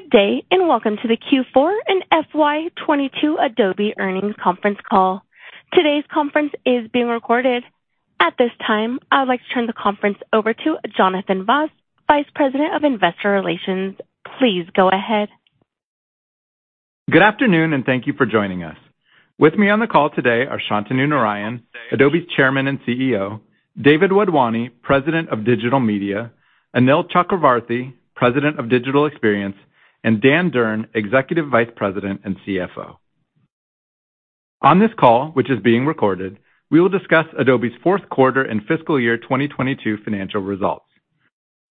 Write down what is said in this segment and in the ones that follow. Good day, and welcome to the Q4 and FY 2022 Adobe Earnings conference call. Today's conference is being recorded. At this time, I would like to turn the conference over to Jonathan Vaas, Vice President of Investor Relations. Please go ahead. Good afternoon. Thank you for joining us. With me on the call today are Shantanu Narayen, Adobe's Chairman and CEO, David Wadhwani, President of Digital Media, Anil Chakravarthy, President of Digital Experience, and Dan Durn, Executive Vice President and CFO. On this call, which is being recorded, we will discuss Adobe's fourth quarter and fiscal year 22 financial results.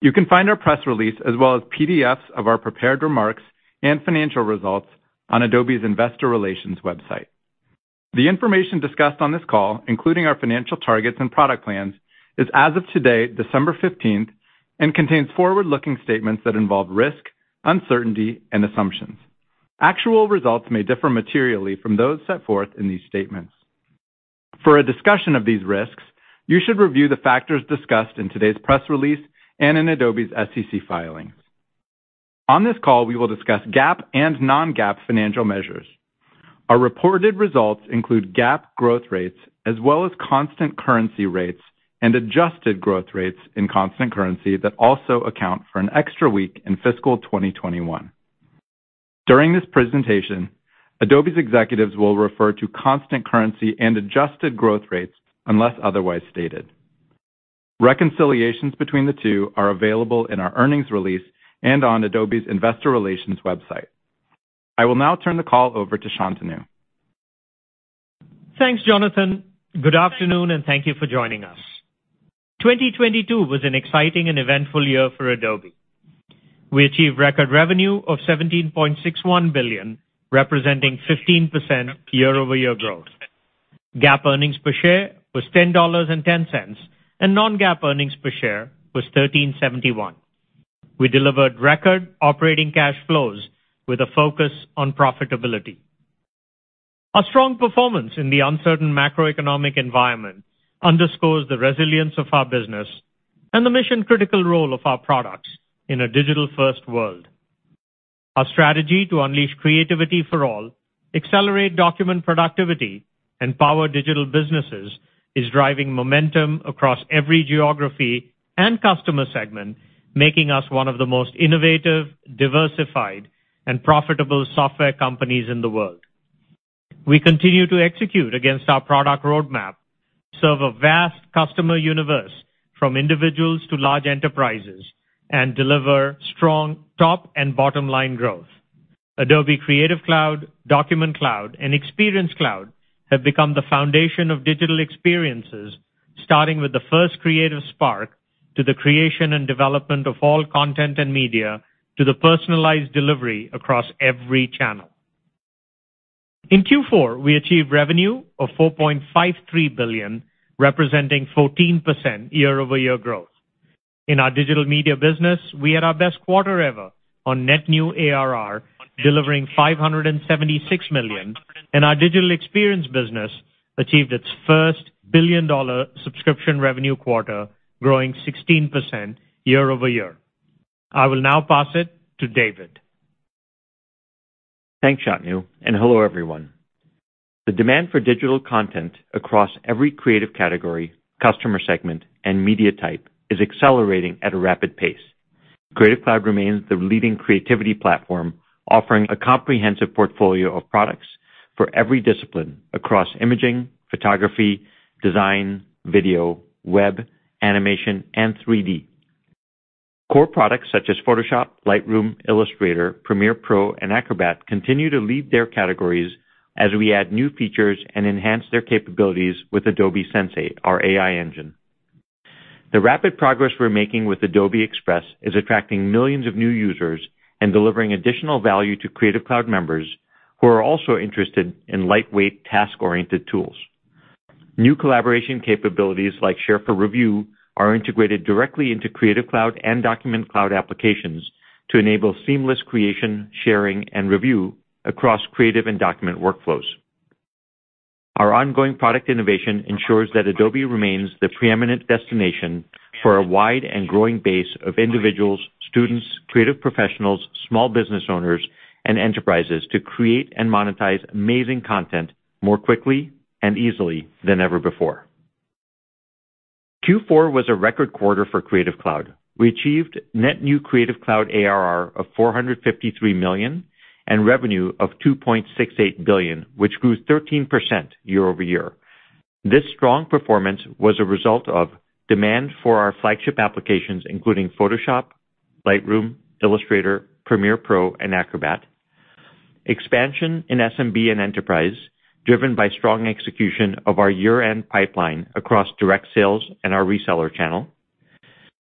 You can find our press release as well as PDFs of our prepared remarks and financial results on Adobe's investor relations website. The information discussed on this call, including our financial targets and product plans, is as of today, 15th December, and contains forward-looking statements that involve risk, uncertainty, and assumptions. Actual results may differ materially from those set forth in these statements. For a discussion of these risks, you should review the factors discussed in today's press release and in Adobe's SEC filings. On this call, we will discuss GAAP and non-GAAP financial measures. Our reported results include GAAP growth rates as well as constant currency rates and adjusted growth rates in constant currency that also account for an extra week in fiscal 2021. During this presentation, Adobe's executives will refer to constant currency and adjusted growth rates unless otherwise stated. Reconciliations between the two are available in our earnings release and on Adobe's investor relations website. I will now turn the call over to Shantanu. Thanks, Jonathan. Good afternoon. Thank you for joining us. 2022 was an exciting and eventful year for Adobe. We achieved record revenue of $17.61 billion, representing 15% year-over-year growth. GAAP earnings per share was $10.10. Non-GAAP earnings per share was $13.71. We delivered record operating cash flows with a focus on profitability. Our strong performance in the uncertain macroeconomic environment underscores the resilience of our business and the mission-critical role of our products in a digital-first world. Our strategy to unleash creativity for all, accelerate document productivity, and power digital businesses is driving momentum across every geography and customer segment, making us one of the most innovative, diversified, and profitable software companies in the world. We continue to execute against our product roadmap, serve a vast customer universe from individuals to large enterprises, and deliver strong top and bottom-line growth. Adobe Creative Cloud, Document Cloud, and Experience Cloud have become the foundation of digital experiences, starting with the first creative spark to the creation and development of all content and media, to the personalized delivery across every channel. In Q4, we achieved revenue of $4.53 billion, representing 14% year-over-year growth. In our digital media business, we had our best quarter ever on net new ARR, delivering $576 million, and our digital experience business achieved its first billion-dollar subscription revenue quarter, growing 16% year-over-year. I will now pass it to David. Thanks, Shantanu, and hello, everyone. The demand for digital content across every creative category, customer segment, and media type is accelerating at a rapid pace. Creative Cloud remains the leading creativity platform, offering a comprehensive portfolio of products for every discipline across imaging, photography, design, video, web, animation, and 3D. Core products such as Photoshop, Lightroom, Illustrator, Premiere Pro, and Acrobat continue to lead their categories as we add new features and enhance their capabilities with Adobe Sensei, our AI engine. The rapid progress we're making with Adobe Express is attracting millions of new users and delivering additional value to Creative Cloud members who are also interested in lightweight, task-oriented tools. New collaboration capabilities like Share for Review are integrated directly into Creative Cloud and Document Cloud applications to enable seamless creation, sharing, and review across creative and document workflows. Our ongoing product innovation ensures that Adobe remains the preeminent destination for a wide and growing base of individuals, students, creative professionals, small business owners, and enterprises to create and monetize amazing content more quickly and easily than ever before. Q4 was a record quarter for Creative Cloud. We achieved net new Creative Cloud ARR of $453 million and revenue of $2.68 billion, which grew 13% year-over-year. This strong performance was a result of demand for our flagship applications, including Photoshop, Lightroom, Illustrator, Premiere Pro, and Acrobat. Expansion in SMB and enterprise, driven by strong execution of our year-end pipeline across direct sales and our reseller channel.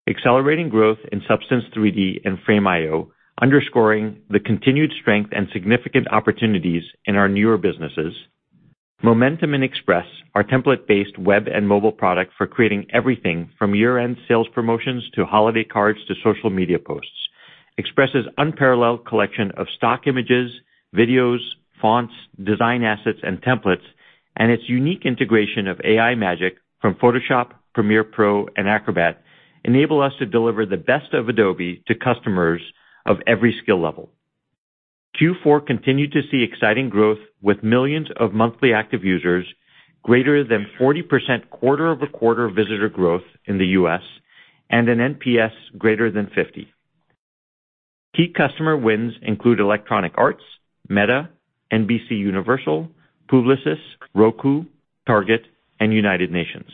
Accelerating growth in Substance 3D and Frame.io, underscoring the continued strength and significant opportunities in our newer businesses. Momentum in Adobe Express, our template-based web and mobile product for creating everything from year-end sales promotions to holiday cards to social media posts. Adobe Express' unparalleled collection of stock images, videos, fonts, design assets, and templates, and its unique integration of AI magic from Photoshop, Premiere Pro, and Acrobat enable us to deliver the best of Adobe to customers of every skill level. Q4 continued to see exciting growth with millions of monthly active users, greater than 40% quarter-over-quarter visitor growth in the U.S., and an NPS greater than 50. Key customer wins include Electronic Arts, Meta, NBCUniversal, Publicis, Roku, Target, and United Nations.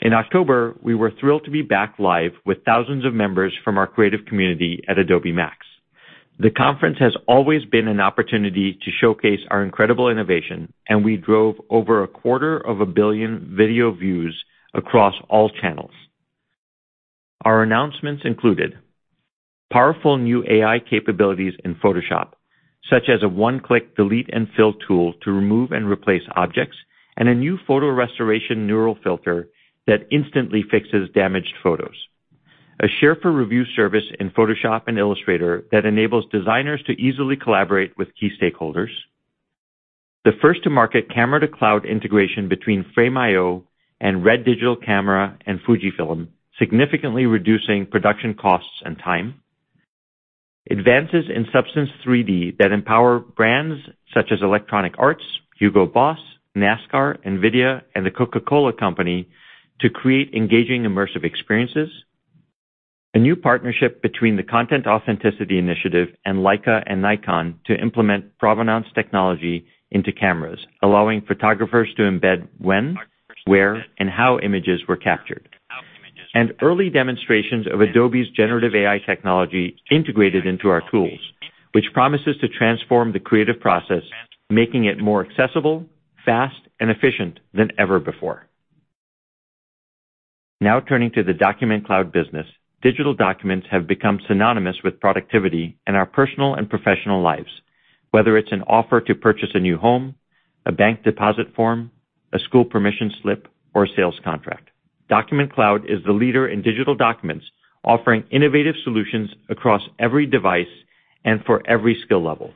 In October, we were thrilled to be back live with thousands of members from our creative community at Adobe MAX. The conference has always been an opportunity to showcase our incredible innovation, and we drove over a quarter of a billion video views across all channels. Our announcements included powerful new AI capabilities in Photoshop, such as a one-click delete and fill tool to remove and replace objects, and a new photo restoration neural filter that instantly fixes damaged photos. A Share for Review service in Photoshop and Illustrator that enables designers to easily collaborate with key stakeholders. The first to market camera to cloud integration between Frame.io and RED Digital Cinema and Fujifilm, significantly reducing production costs and time. Advances in Substance 3D that empower brands such as Electronic Arts, HUGO BOSS, NASCAR, NVIDIA, and The Coca-Cola Company to create engaging, immersive experiences. A new partnership between the Content Authenticity Initiative and Leica and Nikon to implement provenance technology into cameras, allowing photographers to embed when, where, and how images were captured. Early demonstrations of Adobe's generative AI technology integrated into our tools, which promises to transform the creative process, making it more accessible, fast, and efficient than ever before. Now turning to the Document Cloud business. Digital documents have become synonymous with productivity in our personal and professional lives, whether it's an offer to purchase a new home, a bank deposit form, a school permission slip, or a sales contract. Document Cloud is the leader in digital documents, offering innovative solutions across every device and for every skill level.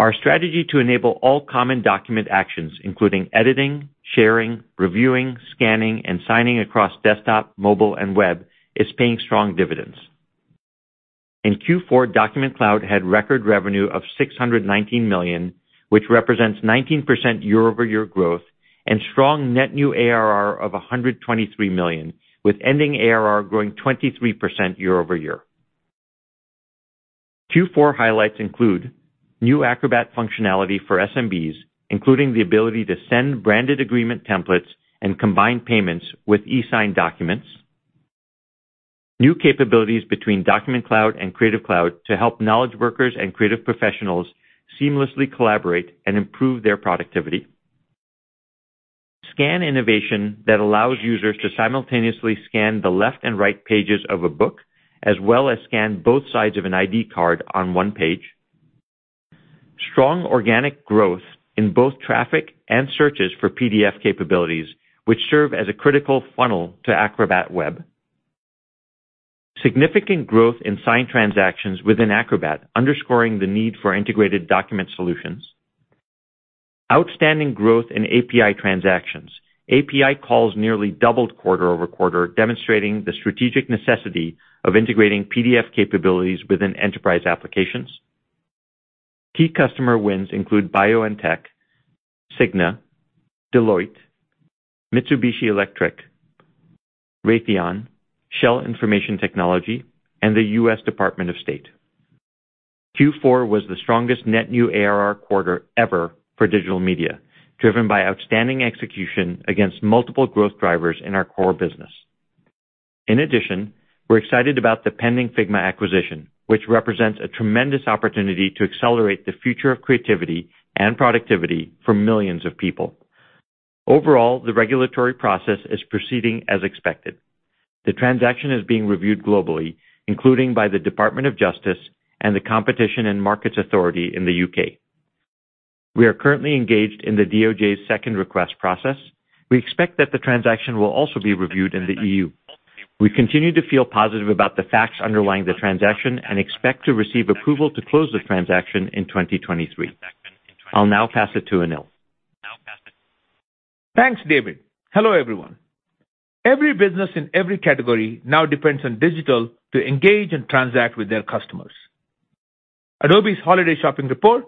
Our strategy to enable all common document actions, including editing, sharing, reviewing, scanning, and signing across desktop, mobile, and web, is paying strong dividends. In Q4, Document Cloud had record revenue of $619 million, which represents 19% year-over-year growth and strong net new ARR of $123 million, with ending ARR growing 23% year-over-year. Q4 highlights include new Acrobat functionality for SMBs, including the ability to send branded agreement templates and combine payments with eSign documents. New capabilities between Document Cloud and Creative Cloud to help knowledge workers and creative professionals seamlessly collaborate and improve their productivity. Scan innovation that allows users to simultaneously scan the left and right pages of a book, as well as scan both sides of an ID card on one page. Strong organic growth in both traffic and searches for PDF capabilities, which serve as a critical funnel to Acrobat Web. Significant growth in sign transactions within Acrobat, underscoring the need for integrated document solutions. Outstanding growth in API transactions. API calls nearly doubled quarter-over-quarter, demonstrating the strategic necessity of integrating PDF capabilities within enterprise applications. Key customer wins include BioNTech, Cigna, Deloitte, Mitsubishi Electric, Raytheon, Shell Information Technology, and the U.S. Department of State. Q4 was the strongest net new ARR quarter ever for Digital Media, driven by outstanding execution against multiple growth drivers in our core business. In addition, we're excited about the pending Figma acquisition, which represents a tremendous opportunity to accelerate the future of creativity and productivity for millions of people. Overall, the regulatory process is proceeding as expected. The transaction is being reviewed globally, including by the Department of Justice and the Competition and Markets Authority in the U.K. We are currently engaged in the DOJ's second request process. We expect that the transaction will also be reviewed in the EU. We continue to feel positive about the facts underlying the transaction and expect to receive approval to close the transaction in 2023. I'll now pass it to Anil. Thanks, David. Hello, everyone. Every business in every category now depends on digital to engage and transact with their customers. Adobe's holiday shopping report,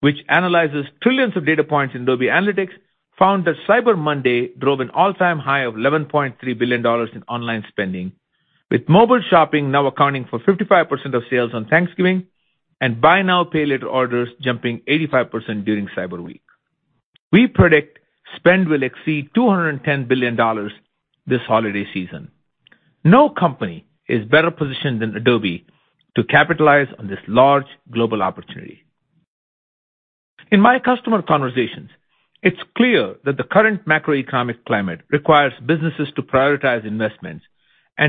which analyzes trillions of data points in Adobe Analytics, found that Cyber Monday drove an all-time high of $11.3 billion in online spending, with mobile shopping now accounting for 55% of sales on Thanksgiving, and buy now, pay later orders jumping 85% during Cyber Week. We predict spend will exceed $210 billion this holiday season. No company is better positioned than Adobe to capitalize on this large global opportunity. In my customer conversations, it's clear that the current macroeconomic climate requires businesses to prioritize investments,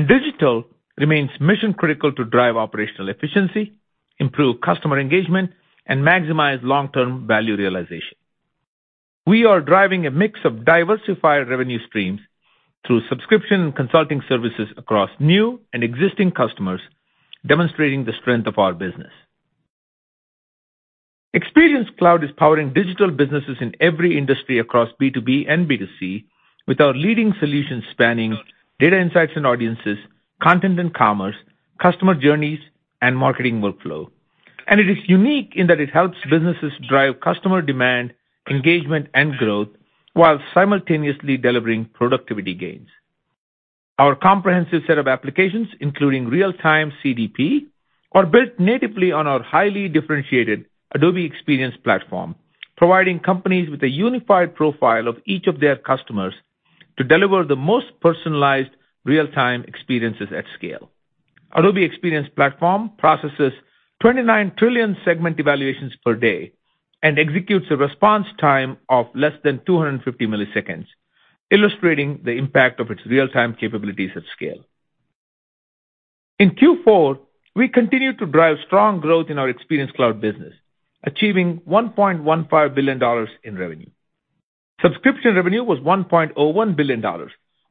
digital remains mission-critical to drive operational efficiency, improve customer engagement, and maximize long-term value realization. We are driving a mix of diversified revenue streams through subscription and consulting services across new and existing customers, demonstrating the strength of our business. Experience Cloud is powering digital businesses in every industry across B2B and B2C with our leading solutions spanning data insights and audiences, content and commerce, customer journeys, and marketing workflow. It is unique in that it helps businesses drive customer demand, engagement, and growth while simultaneously delivering productivity gains. Our comprehensive set of applications, including Real-Time CDP, are built natively on our highly differentiated Adobe Experience Platform, providing companies with a unified profile of each of their customers to deliver the most personalized real-time experiences at scale. Adobe Experience Platform processes 29 trillion segment evaluations per day and executes a response time of less than 250 milliseconds, illustrating the impact of its real-time capabilities at scale. In Q4, we continued to drive strong growth in our Experience Cloud business, achieving $1.15 billion in revenue. Subscription revenue was $1.01 billion,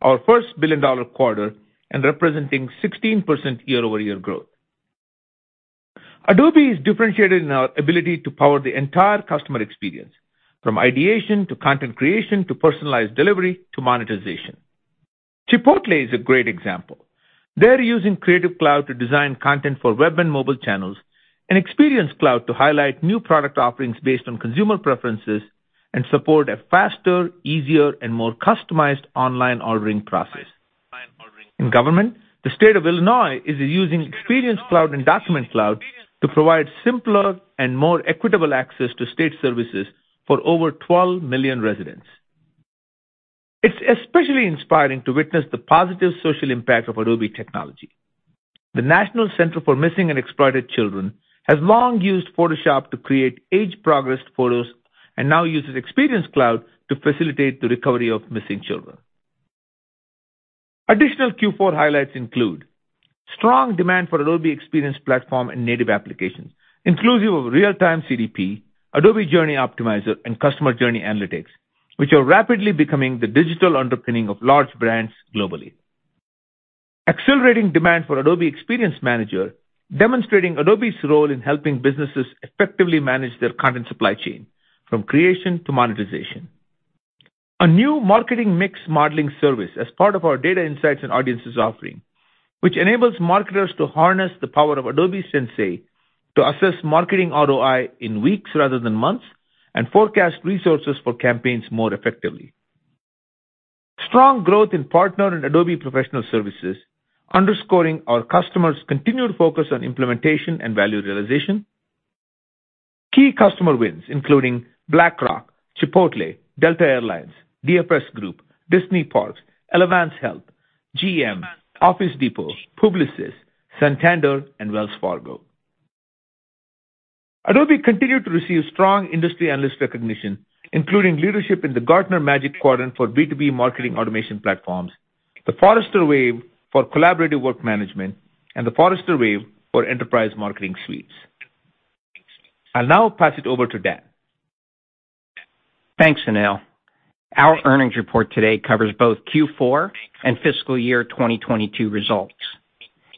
our first billion-dollar quarter, representing 16% year-over-year growth. Adobe is differentiated in our ability to power the entire customer experience, from ideation, to content creation, to personalized delivery, to monetization. Chipotle is a great example. They're using Creative Cloud to design content for web and mobile channels, and Experience Cloud to highlight new product offerings based on consumer preferences and support a faster, easier, and more customized online ordering process. In government, the state of Illinois is using Experience Cloud and Document Cloud to provide simpler and more equitable access to state services for over 12 million residents. It's especially inspiring to witness the positive social impact of Adobe technology. The National Center for Missing & Exploited Children has long used Photoshop to create age progressed photos and now uses Experience Cloud to facilitate the recovery of missing children. Additional Q4 highlights include strong demand for Adobe Experience Platform and native applications, inclusive of Real-Time CDP, Adobe Journey Optimizer, and Customer Journey Analytics, which are rapidly becoming the digital underpinning of large brands globally. Accelerating demand for Adobe Experience Manager, demonstrating Adobe's role in helping businesses effectively manage their content supply chain from creation to monetization. A new marketing mix modeling service as part of our data insights and audiences offering, which enables marketers to harness the power of Adobe Sensei to assess marketing ROI in weeks rather than months and forecast resources for campaigns more effectively. Strong growth in partner and Adobe professional services, underscoring our customers' continued focus on implementation and value realization. Key customer wins including BlackRock, Chipotle, Delta Air Lines, Dia Press Group, Disney Parks, Elevance Health, GM, Office Depot, Publicis, Santander, and Wells Fargo. Adobe continued to receive strong industry analyst recognition, including leadership in the Gartner Magic Quadrant for B2B marketing automation platforms, the Forrester Wave for collaborative work management, and the Forrester Wave for enterprise marketing suites. I'll now pass it over to Dan. Thanks, Anil. Our earnings report today covers both Q4 and fiscal year 2022 results.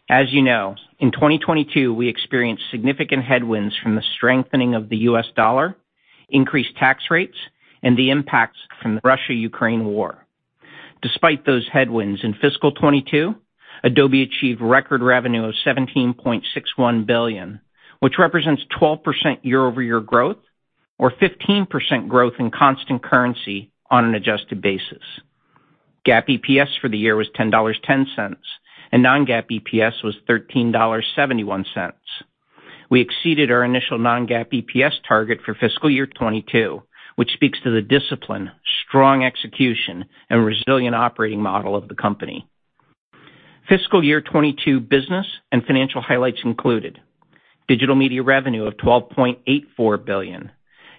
As you know, in 2022, we experienced significant headwinds from the strengthening of the U.S. dollar, increased tax rates, and the impacts from the Russia-Ukraine war. Despite those headwinds, in fiscal 2022, Adobe achieved record revenue of $17.61 billion, which represents 12% year-over-year growth or 15% growth in constant currency on an adjusted basis. GAAP EPS for the year was $10.10. Non-GAAP EPS was $13.71. We exceeded our initial non-GAAP EPS target for fiscal year 2022, which speaks to the discipline, strong execution, and resilient operating model of the company. Fiscal year 2022 business and financial highlights included Digital Media revenue of $12.84 billion,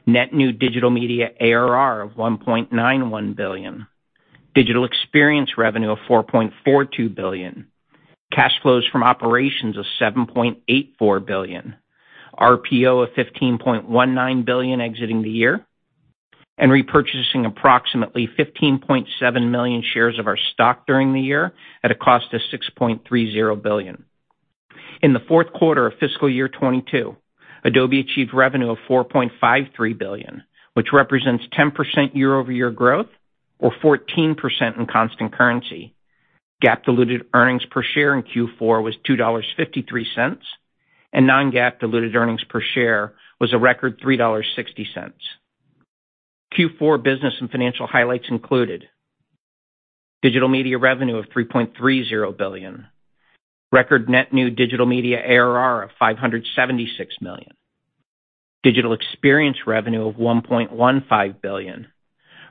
net new Digital Media ARR of $1.91 billion, Digital Experience revenue of $4.42 billion, cash flows from operations of $7.84 billion, RPO of $15.19 billion exiting the year, and repurchasing approximately 15.7 million shares of our stock during the year at a cost of $6.30 billion. In the fourth quarter of fiscal year 2022, Adobe achieved revenue of $4.53 billion, which represents 10% year-over-year growth or 14% in constant currency. GAAP diluted earnings per share in Q4 was $2.53, and non-GAAP diluted earnings per share was a record $3.60. Q4 business and financial highlights included Digital Media revenue of $3.30 billion, record net new Digital Media ARR of $576 million, Digital Experience revenue of $1.15 billion,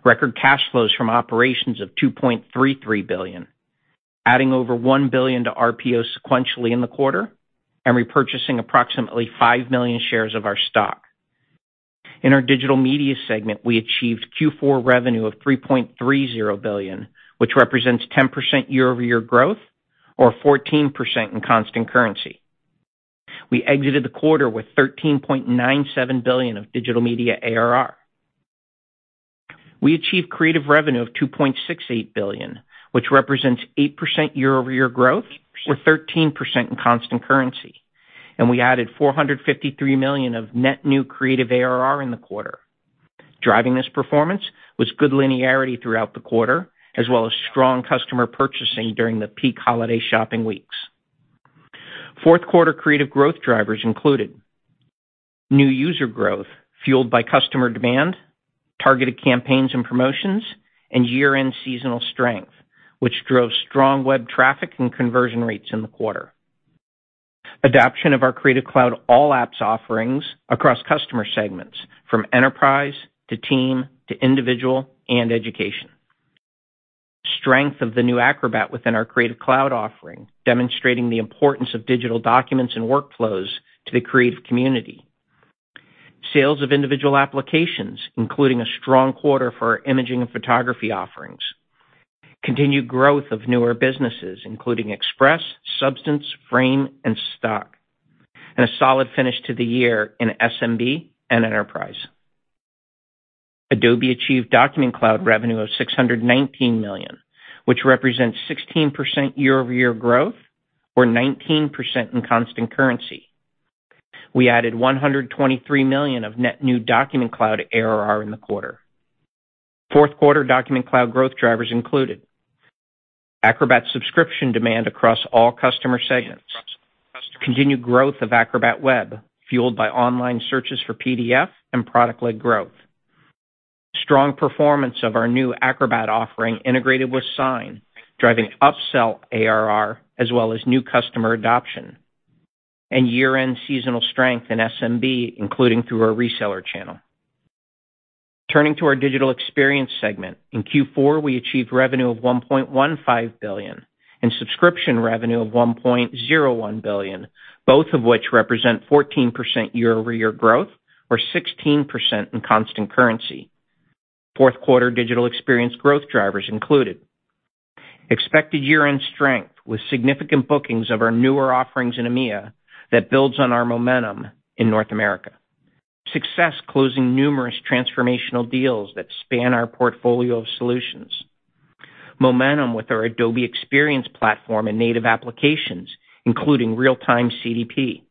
record cash flows from operations of $2.33 billion, adding over $1 billion to RPO sequentially in the quarter, and repurchasing approximately 5 million shares of our stock. In our Digital Media segment, we achieved Q4 revenue of $3.30 billion, which represents 10% year-over-year growth or 14% in constant currency. We exited the quarter with $13.97 billion of Digital Media ARR. We achieved Creative revenue of $2.68 billion, which represents 8% year-over-year growth or 13% in constant currency. We added $453 million of net new Creative ARR in the quarter. Driving this performance was good linearity throughout the quarter, as well as strong customer purchasing during the peak holiday shopping weeks. Fourth quarter Creative growth drivers included new user growth fueled by customer demand, targeted campaigns and promotions, and year-end seasonal strength, which drove strong web traffic and conversion rates in the quarter. Adaption of our Creative Cloud all apps offerings across customer segments from enterprise to team to individual and education. Strength of the new Acrobat within our Creative Cloud offering, demonstrating the importance of digital documents and workflows to the creative community. Sales of individual applications, including a strong quarter for our imaging and photography offerings. Continued growth of newer businesses, including Express, Substance, Frame, and Stock, and a solid finish to the year in SMB and enterprise. Adobe achieved Document Cloud revenue of $619 million, which represents 16% year-over-year growth or 19% in constant currency. We added $123 million of net new Document Cloud ARR in the quarter. Fourth quarter Document Cloud growth drivers included Acrobat subscription demand across all customer segments. Continued growth of Acrobat Web, fueled by online searches for PDF and product-led growth. Strong performance of our new Acrobat offering integrated with Sign, driving upsell ARR as well as new customer adoption. Year-end seasonal strength in SMB, including through our reseller channel. Turning to our Digital Experience segment. In Q4, we achieved revenue of $1.15 billion and subscription revenue of $1.01 billion, both of which represent 14% year-over-year growth or 16% in constant currency. Fourth quarter digital experience growth drivers included expected year-end strength with significant bookings of our newer offerings in EMEA that builds on our momentum in North America. Success closing numerous transformational deals that span our portfolio of solutions. Momentum with our Adobe Experience Platform and native applications, including Real-Time CDP.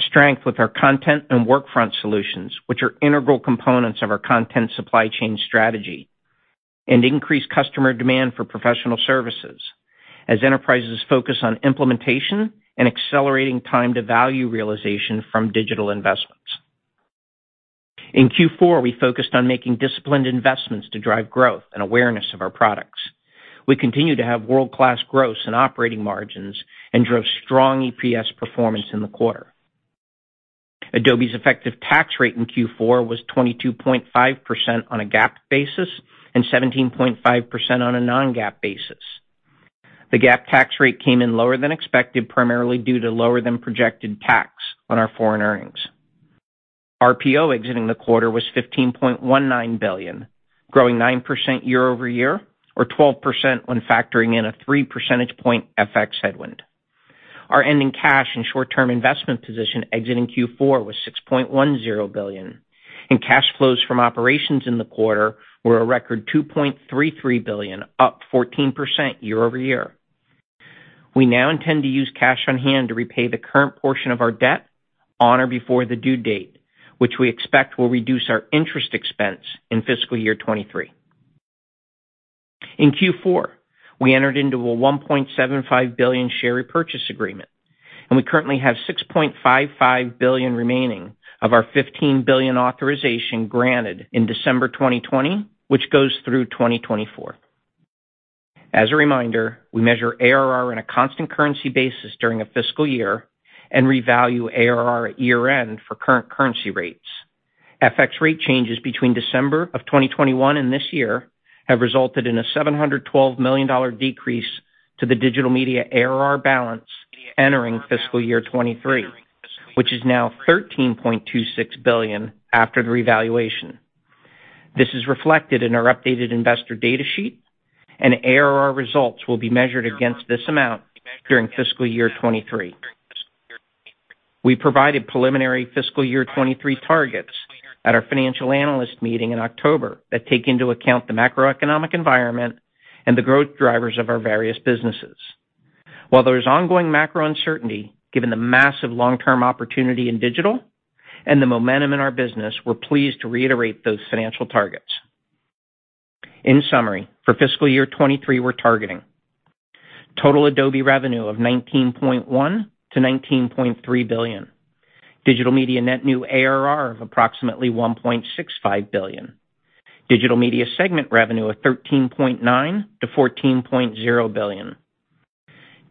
Strength with our content and Workfront solutions, which are integral components of our content supply chain strategy. Increased customer demand for professional services as enterprises focus on implementation and accelerating time to value realization from digital investments. In Q4, we focused on making disciplined investments to drive growth and awareness of our products. We continue to have world-class gross in operating margins and drove strong EPS performance in the quarter. Adobe's effective tax rate in Q4 was 22.5% on a GAAP basis and 17.5% on a non-GAAP basis. The GAAP tax rate came in lower than expected, primarily due to lower than projected tax on our foreign earnings. RPO exiting the quarter was $15.19 billion, growing 9% year-over-year or 12% when factoring in a three percentage point FX headwind. Our ending cash and short-term investment position exiting Q4 was $6.10 billion, and cash flows from operations in the quarter were a record $2.33 billion, up 14% year-over-year. We now intend to use cash on hand to repay the current portion of our debt on or before the due date, which we expect will reduce our interest expense in fiscal year 2023. In Q4, we entered into a $1.75 billion share repurchase agreement, and we currently have $6.55 billion remaining of our $15 billion authorization granted in December 2020, which goes through 2024. As a reminder, we measure ARR in a constant currency basis during a fiscal year and revalue ARR at year-end for current currency rates. FX rate changes between December of 2021 and this year have resulted in a $712 million decrease to the digital media ARR balance entering fiscal year 2023, which is now $13.26 billion after the revaluation. This is reflected in our updated investor data sheet, and ARR results will be measured against this amount during fiscal year 2023. We provided preliminary fiscal year 2023 targets at our Financial Analyst Day in October that take into account the macroeconomic environment and the growth drivers of our various businesses. While there is ongoing macro uncertainty, given the massive long-term opportunity in digital and the momentum in our business, we're pleased to reiterate those financial targets. In summary, for fiscal year 2023, we're targeting total Adobe revenue of $19.1 billion-$19.3 billion, digital media net new ARR of approximately $1.65 billion, digital media segment revenue of $13.9 billion-$14.0 billion,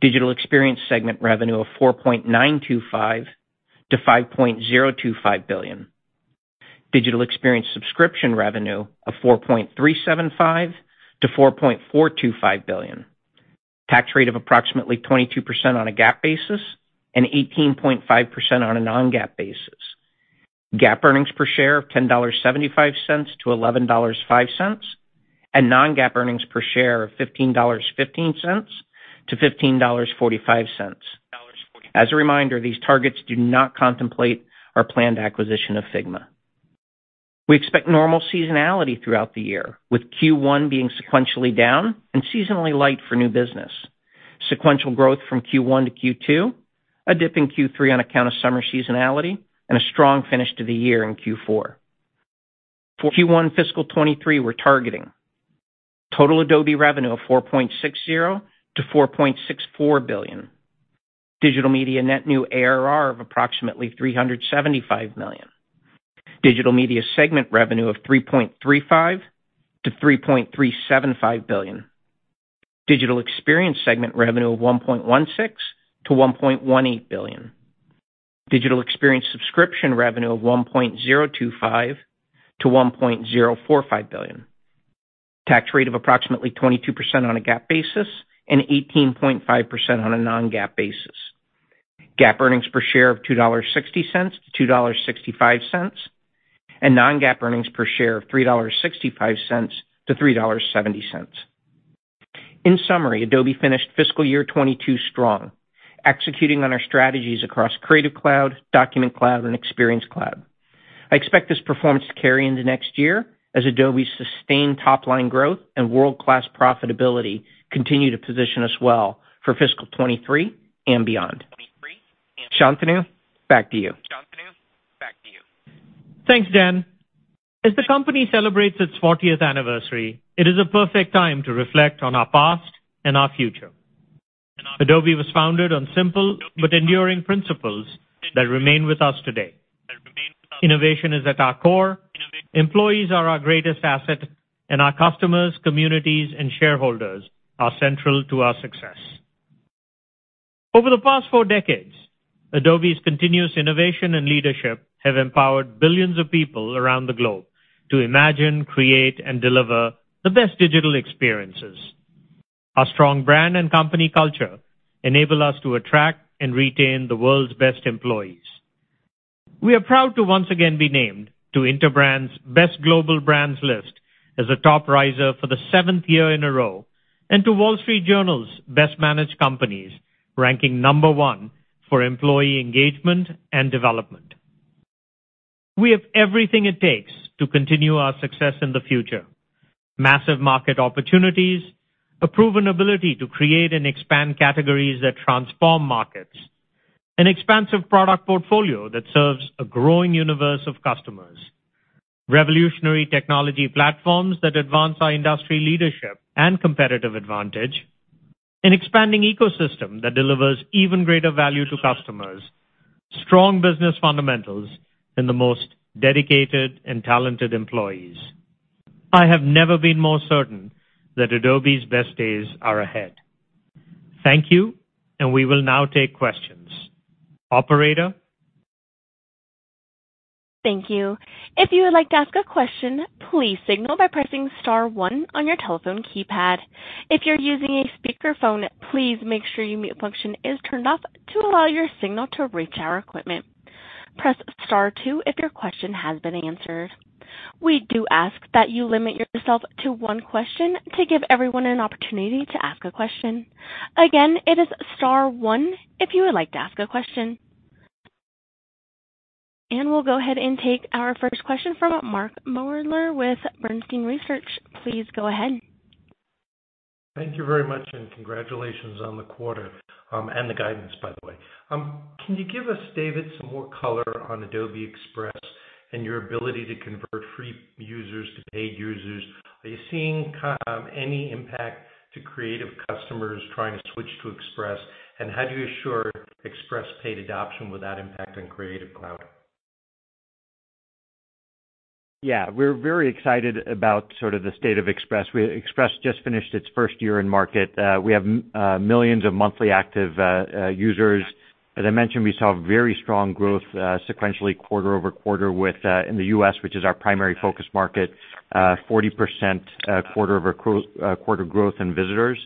digital experience segment revenue of $4.925 billion-$5.025 billion, digital experience subscription revenue of $4.375 billion-$4.425 billion, tax rate of approximately 22% on a GAAP basis and 18.5% on a non-GAAP basis, GAAP earnings per share of $10.75-$11.05, and non-GAAP earnings per share of $15.15-$15.45. As a reminder, these targets do not contemplate our planned acquisition of Figma. We expect normal seasonality throughout the year, with Q1 being sequentially down and seasonally light for new business. Sequential growth from Q1 to Q2, a dip in Q3 on account of summer seasonality, and a strong finish to the year in Q4. For Q1 fiscal 2023, we're targeting total Adobe revenue of $4.60 billion-$4.64 billion. Digital Media net new ARR of approximately $375 million. Digital Media segment revenue of $3.35 billion-$3.375 billion. Digital Experience segment revenue of $1.16 billion-$1.18 billion. Digital Experience subscription revenue of $1.025 billion-$1.045 billion. Tax rate of approximately 22% on a GAAP basis and 18.5% on a non-GAAP basis. GAAP earnings per share of $2.60-$2.65, and non-GAAP earnings per share of $3.65-$3.70. In summary, Adobe finished fiscal year 2022 strong, executing on our strategies across Creative Cloud, Document Cloud, and Experience Cloud. I expect this performance to carry into next year as Adobe's sustained top-line growth and world-class profitability continue to position us well for fiscal 2023 and beyond. Shantanu, back to you. Thanks, Dan. As the company celebrates its fortieth anniversary, it is a perfect time to reflect on our past and our future. Adobe was founded on simple but enduring principles that remain with us today. Innovation is at our core, employees are our greatest asset, and our customers, communities, and shareholders are central to our success. Over the past four decades, Adobe's continuous innovation and leadership have empowered billions of people around the globe to imagine, create, and deliver the best digital experiences. Our strong brand and company culture enable us to attract and retain the world's best employees. We are proud to once again be named to Interbrand's Best Global Brands list as a top riser for the seventh year in a row, and to Wall Street Journal's Best Managed Companies, ranking number one for employee engagement and development. We have everything it takes to continue our success in the future. Massive market opportunities, a proven ability to create and expand categories that transform markets, an expansive product portfolio that serves a growing universe of customers, revolutionary technology platforms that advance our industry leadership and competitive advantage, an expanding ecosystem that delivers even greater value to customers, strong business fundamentals, and the most dedicated and talented employees. I have never been more certain that Adobe's best days are ahead. Thank you. We will now take questions. Operator? Thank you. If you would like to ask a question, please signal by pressing star one on your telephone keypad. If you're using a speakerphone, please make sure your mute function is turned off to allow your signal to reach our equipment. Press star two if your question has been answered. We do ask that you limit yourself to one question to give everyone an opportunity to ask a question. Again, it is star one if you would like to ask a question. We'll go ahead and take our first question from Mark Moerdler with Bernstein Research. Please go ahead. Thank you very much, and congratulations on the quarter and the guidance, by the way. Can you give us, David, some more color on Adobe Express and your ability to convert free users to paid users? Are you seeing any impact to creative customers trying to switch to Express? How do you assure Express paid adoption without impact on Creative Cloud? We're very excited about sort of the state of Adobe Express. Adobe Express just finished its first year in market. We have millions of monthly active users. As I mentioned, we saw very strong growth sequentially quarter-over-quarter with in the U.S., which is our primary focus market, 40% quarter-over-quarter growth in visitors.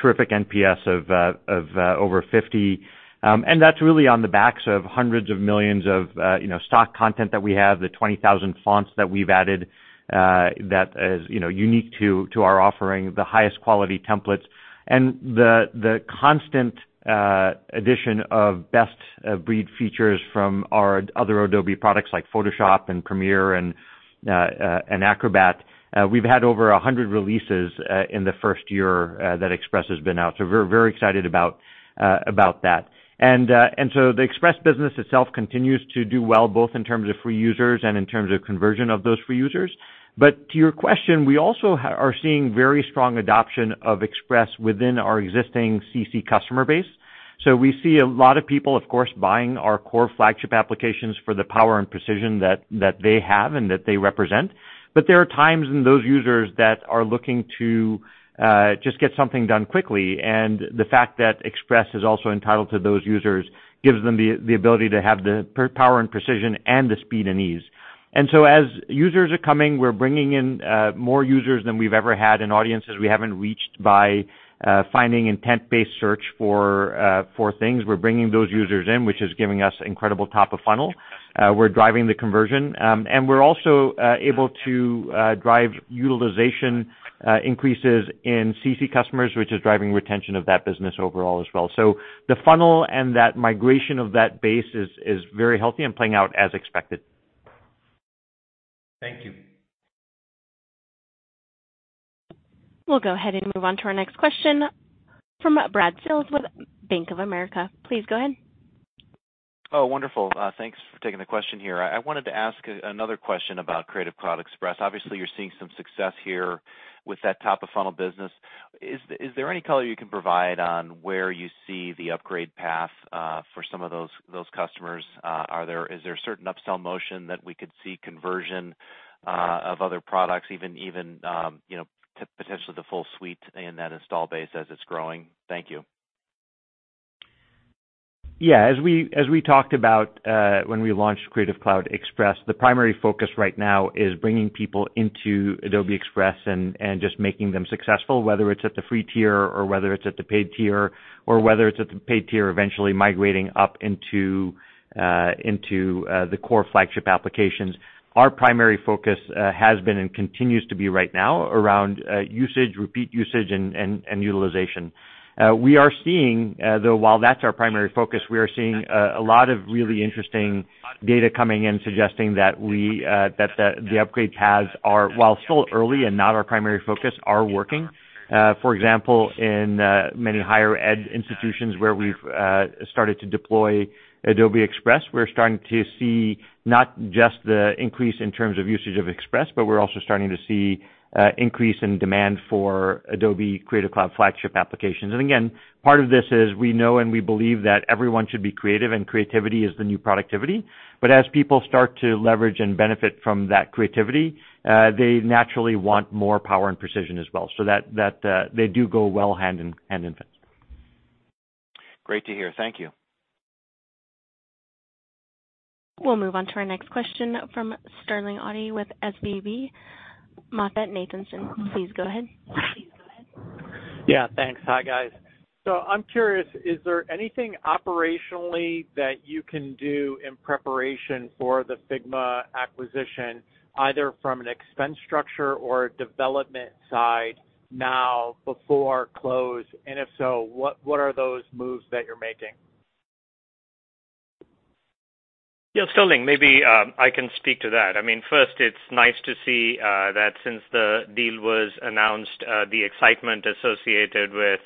Terrific NPS of over 50. That's really on the backs of hundreds of millions of, you know, stock content that we have, the 20,000 fonts that we've added, that is, you know, unique to our offering, the highest quality templates, and the constant addition of best of breed features from our other Adobe products like Photoshop and Premiere and Acrobat. We've had over 100 releases in the first year that Adobe Express has been out, so we're very excited about that. The Adobe Express business itself continues to do well, both in terms of free users and in terms of conversion of those free users. To your question, we also are seeing very strong adoption of Adobe Express within our existing Creative Cloud customer base. We see a lot of people, of course, buying our core flagship applications for the power and precision that they have and that they represent. There are times when those users that are looking to just get something done quickly, and the fact that Adobe Express is also entitled to those users gives them the ability to have the power and precision and the speed and ease. As users are coming, we're bringing in more users than we've ever had in audiences we haven't reached by finding intent-based search for things. We're bringing those users in, which is giving us incredible top of funnel. We're driving the conversion. And we're also able to drive utilization increases in CC customers, which is driving retention of that business overall as well. The funnel and that migration of that base is very healthy and playing out as expected. Thank you. We'll go ahead and move on to our next question from Brad Sills with Bank of America. Please go ahead. Wonderful. Thanks for taking the question here. I wanted to ask another question about Creative Cloud Express. Obviously, you're seeing some success here with that top of funnel business. Is there any color you can provide on where you see the upgrade path for some of those customers? Is there a certain upsell motion that we could see conversion of other products even, you know, to potentially the full suite in that install base as it's growing? Thank you. As we talked about, when we launched Creative Cloud Express, the primary focus right now is bringing people into Adobe Express and just making them successful, whether it's at the free tier or whether it's at the paid tier, eventually migrating up into the core flagship applications. Our primary focus has been and continues to be right now around usage, repeat usage and utilization. We are seeing, though, while that's our primary focus, we are seeing a lot of really interesting data coming in suggesting that we, that the upgrade paths are, while still early and not our primary focus, are working. For example, in many higher ed institutions where we've started to deploy Adobe Express, we're starting to see not just the increase in terms of usage of Express, but we're also starting to see increase in demand for Adobe Creative Cloud flagship applications. Again, part of this is we know and we believe that everyone should be creative, and creativity is the new productivity. As people start to leverage and benefit from that creativity, they naturally want more power and precision as well, so that they do go well hand in hand in fact. Great to hear. Thank you. We'll move on to our next question from Sterling Auty with SVB. MoffettNathanson, please go ahead. Yeah, thanks. Hi, guys. I'm curious, is there anything operationally that you can do in preparation for the Figma acquisition, either from an expense structure or development side now before close? If so, what are those moves that you're making? Sterling, maybe, I can speak to that. I mean, first, it's nice to see that since the deal was announced, the excitement associated with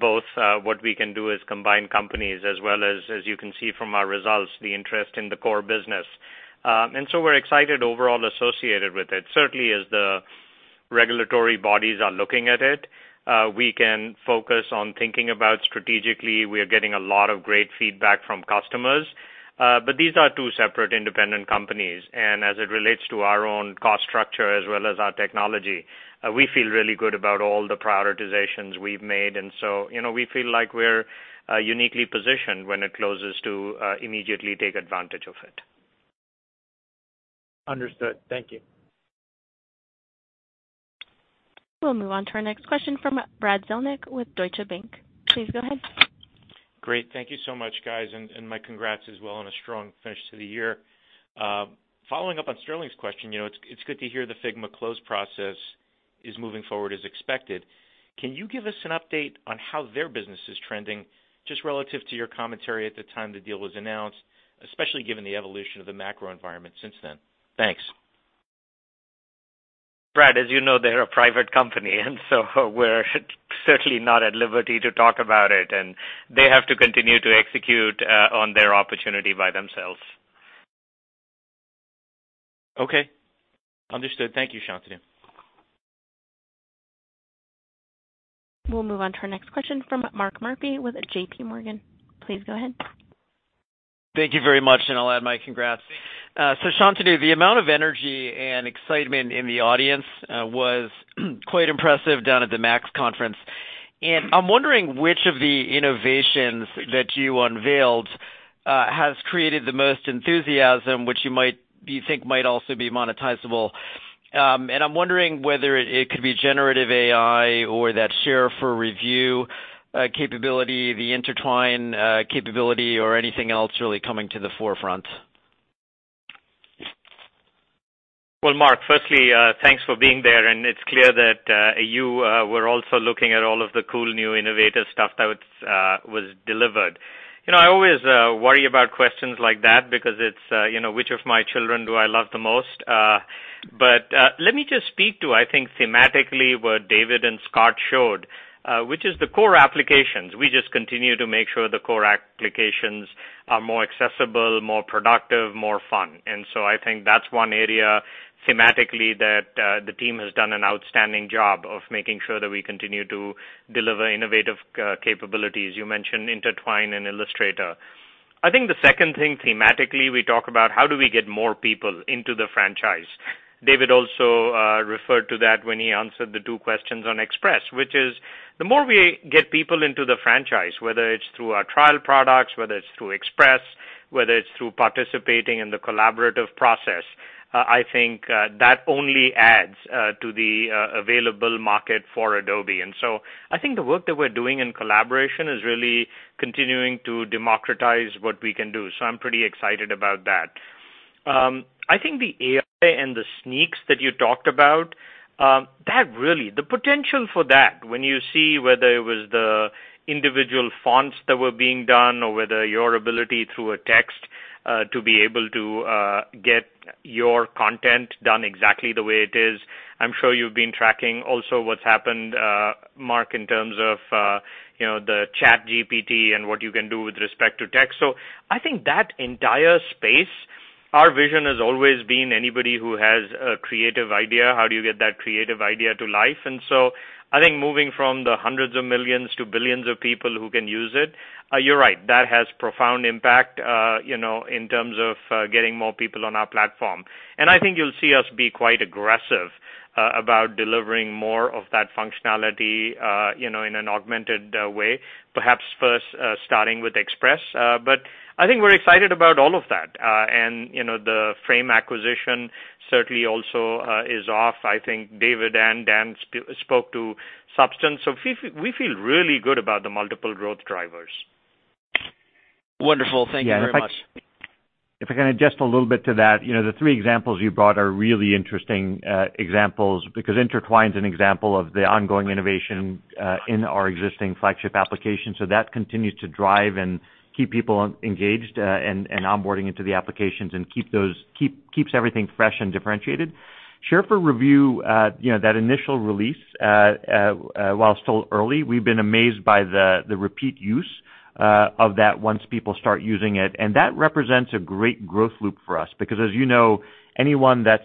both what we can do as combined companies as well as you can see from our results, the interest in the core business. We're excited overall associated with it. Certainly, as the regulatory bodies are looking at it, we can focus on thinking about strategically, we are getting a lot of great feedback from customers. These are two separate independent companies, and as it relates to our own cost structure as well as our technology, we feel really good about all the prioritizations we've made. You know, we feel like we're uniquely positioned when it closes to immediately take advantage of it. Understood. Thank you. We'll move on to our next question from Brad Zelnick with Deutsche Bank. Please go ahead. Great. Thank you so much, guys. My congrats as well on a strong finish to the year. Following up on Sterling's question, you know, it's good to hear the Figma close process is moving forward as expected. Can you give us an update on how their business is trending just relative to your commentary at the time the deal was announced, especially given the evolution of the macro environment since then? Thanks. Brad, as you know, they're a private company, and so we're certainly not at liberty to talk about it, and they have to continue to execute on their opportunity by themselves. Okay. Understood. Thank you, Shantanu. We'll move on to our next question from Mark Murphy with JP Morgan. Please go ahead. Thank you very much, and I'll add my congrats. Shantanu, the amount of energy and excitement in the audience was quite impressive down at Adobe MAX. I'm wondering which of the innovations that you unveiled has created the most enthusiasm, which you think might also be monetizable. I'm wondering whether it could be generative AI or that Share for Review capability, the Intertwine capability or anything else really coming to the forefront. Well, Mark, firstly, thanks for being there. It's clear that, you, were also looking at all of the cool new innovative stuff that was, delivered. You know, I always, worry about questions like that because it's, you know, which of my children do I love the most. Let me just speak to, I think, thematically what David and Scott showed, which is the core applications. We just continue to make sure the core applications are more accessible, more productive, more fun. I think that's one area thematically that, the team has done an outstanding job of making sure that we continue to deliver innovative, capabilities. You mentioned Intertwine and Illustrator. I think the second thing thematically we talk about how do we get more people into the franchise. David also referred to that when he answered the two questions on Express, which is the more we get people into the franchise, whether it's through our trial products, whether it's through Express, whether it's through participating in the collaborative process, I think that only adds to the available market for Adobe. I think the work that we're doing in collaboration is really continuing to democratize what we can do. I'm pretty excited about that. I think the AI and the sneaks that you talked about- That really, the potential for that when you see whether it was the individual fonts that were being done or whether your ability through a text to be able to get your content done exactly the way it is. I'm sure you've been tracking also what's happened, Mark, in terms of, you know, the ChatGPT and what you can do with respect to text. I think that entire space, our vision has always been anybody who has a creative idea, how do you get that creative idea to life? I think moving from the hundreds of millions to billions of people who can use it, you're right, that has profound impact, you know, in terms of, getting more people on our platform. I think you'll see us be quite aggressive, about delivering more of that functionality, you know, in an augmented way, perhaps first, starting with Express. I think we're excited about all of that. You know, the Frame acquisition certainly also, is off. I think David and Dan spoke to Substance. We feel really good about the multiple growth drivers. Wonderful. Thank you very much. Yeah. If I can adjust a little bit to that. You know, the three examples you brought are really interesting examples because Intertwine is an example of the ongoing innovation in our existing flagship application. That continues to drive and keep people engaged and onboarding into the applications and keeps everything fresh and differentiated. Share for Review, you know, that initial release while still early, we've been amazed by the repeat use of that once people start using it. That represents a great growth loop for us because as you know, anyone that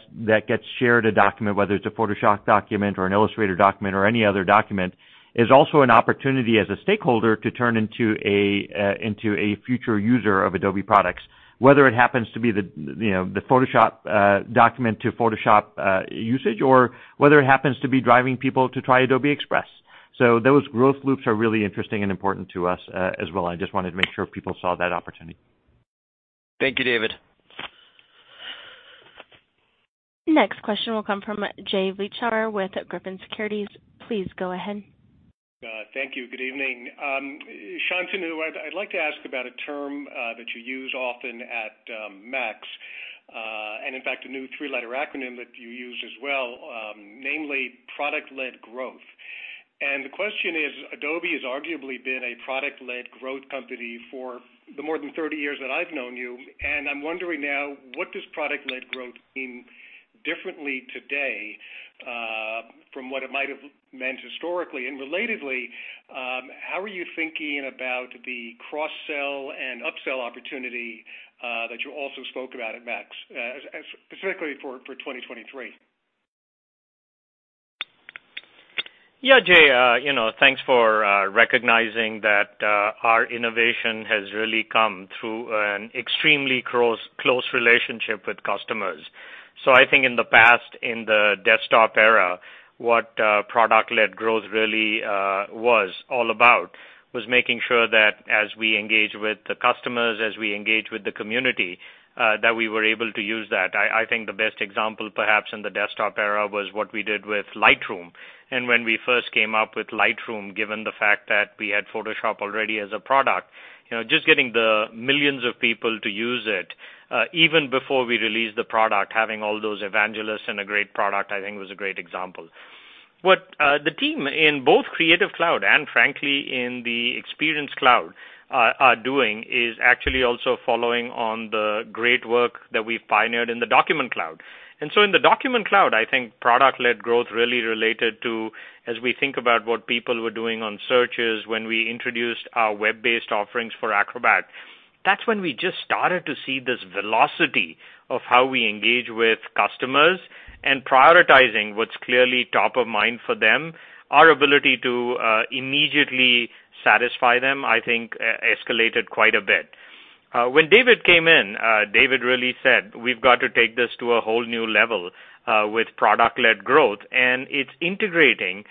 gets shared a document, whether it's a Photoshop document or an Illustrator document or any other document, is also an opportunity as a stakeholder to turn into a future user of Adobe products. Whether it happens to be the, you know, the Photoshop, document to Photoshop, usage or whether it happens to be driving people to try Adobe Express. Those growth loops are really interesting and important to us, as well, and I just wanted to make sure people saw that opportunity. Thank you, David. Next question will come from Jay Vleeschhouwer with Griffin Securities. Please go ahead. Thank you. Good evening. Shantanu, I'd like to ask about a term that you use often at MAX, and in fact, a new three-letter acronym that you use as well, namely product-led growth. The question is, Adobe has arguably been a product-led growth company for the more than 30 years that I've known you, and I'm wondering now, what does product-led growth mean differently today, from what it might have meant historically? Relatedly, how are you thinking about the cross-sell and upsell opportunity that you also spoke about at MAX, specifically for 2023? Jay, you know, thanks for recognizing that our innovation has really come through an extremely close relationship with customers. I think in the past, in the desktop era, what product-led growth really was all about was making sure that as we engage with the customers, as we engage with the community, that we were able to use that. I think the best example perhaps in the desktop era was what we did with Lightroom. When we first came up with Lightroom, given the fact that we had Photoshop already as a product, you know, just getting the millions of people to use it, even before we released the product, having all those evangelists and a great product, I think was a great example. What the team in both Creative Cloud and frankly, in the Experience Cloud are doing is actually also following on the great work that we pioneered in the Document Cloud. In the Document Cloud, I think product-led growth really related to, as we think about what people were doing on searches when we introduced our web-based offerings for Acrobat. That's when we just started to see this velocity of how we engage with customers and prioritizing what's clearly top of mind for them. Our ability to immediately satisfy them, I think, e-escalated quite a bit. When David came in, David really said, "We've got to take this to a whole new level with product-led growth." It's integrating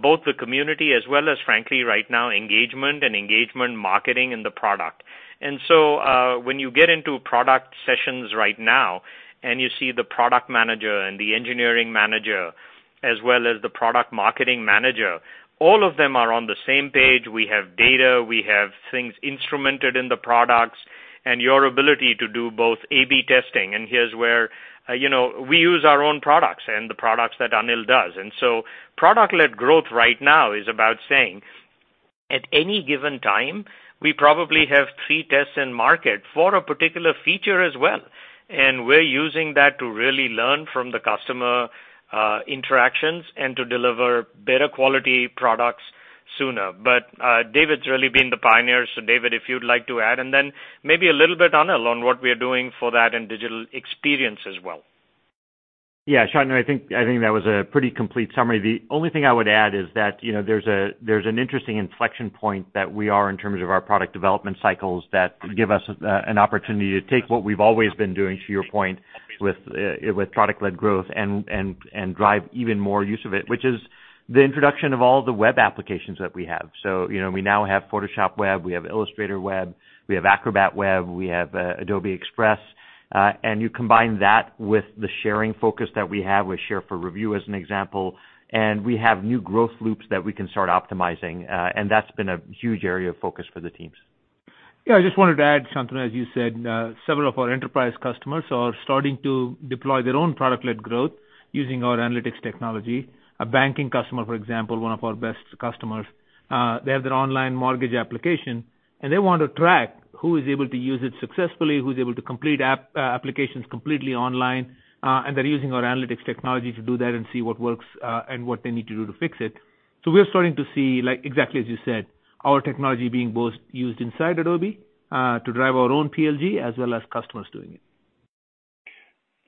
both the community as well as frankly, right now, engagement and engagement marketing in the product. When you get into product sessions right now, and you see the product manager and the engineering manager as well as the product marketing manager, all of them are on the same page. We have data, we have things instrumented in the products and your ability to do both A/B testing, and here's where, you know, we use our own products and the products that Anil does. Product-led growth right now is about saying, at any given time, we probably have three tests in market for a particular feature as well. We're using that to really learn from the customer interactions and to deliver better quality products sooner. David's really been the pioneer. David, if you'd like to add, and then maybe a little bit, Anil, on what we are doing for that in digital experience as well. Shantanu, I think that was a pretty complete summary. The only thing I would add is that, you know, there's an interesting inflection point that we are in terms of our product development cycles that give us an opportunity to take what we've always been doing, to your point, with product-led growth and drive even more use of it, which is the introduction of all the web applications that we have. You know, we now have Photoshop Web, we have Illustrator Web, we have Acrobat Web, we have Adobe Express. You combine that with the sharing focus that we have with Share for Review as an example, and we have new growth loops that we can start optimizing. That's been a huge area of focus for the teams. Yeah, I just wanted to add something. As you said, several of our enterprise customers are starting to deploy their own product-led growth using our analytics technology. A banking customer, for example, one of our best customers, they have their online mortgage application, and they want to track who is able to use it successfully, who's able to complete applications completely online, and they're using our analytics technology to do that and see what works, and what they need to do to fix it. We're starting to see, like exactly as you said, our technology being both used inside Adobe, to drive our own PLG as well as customers doing it.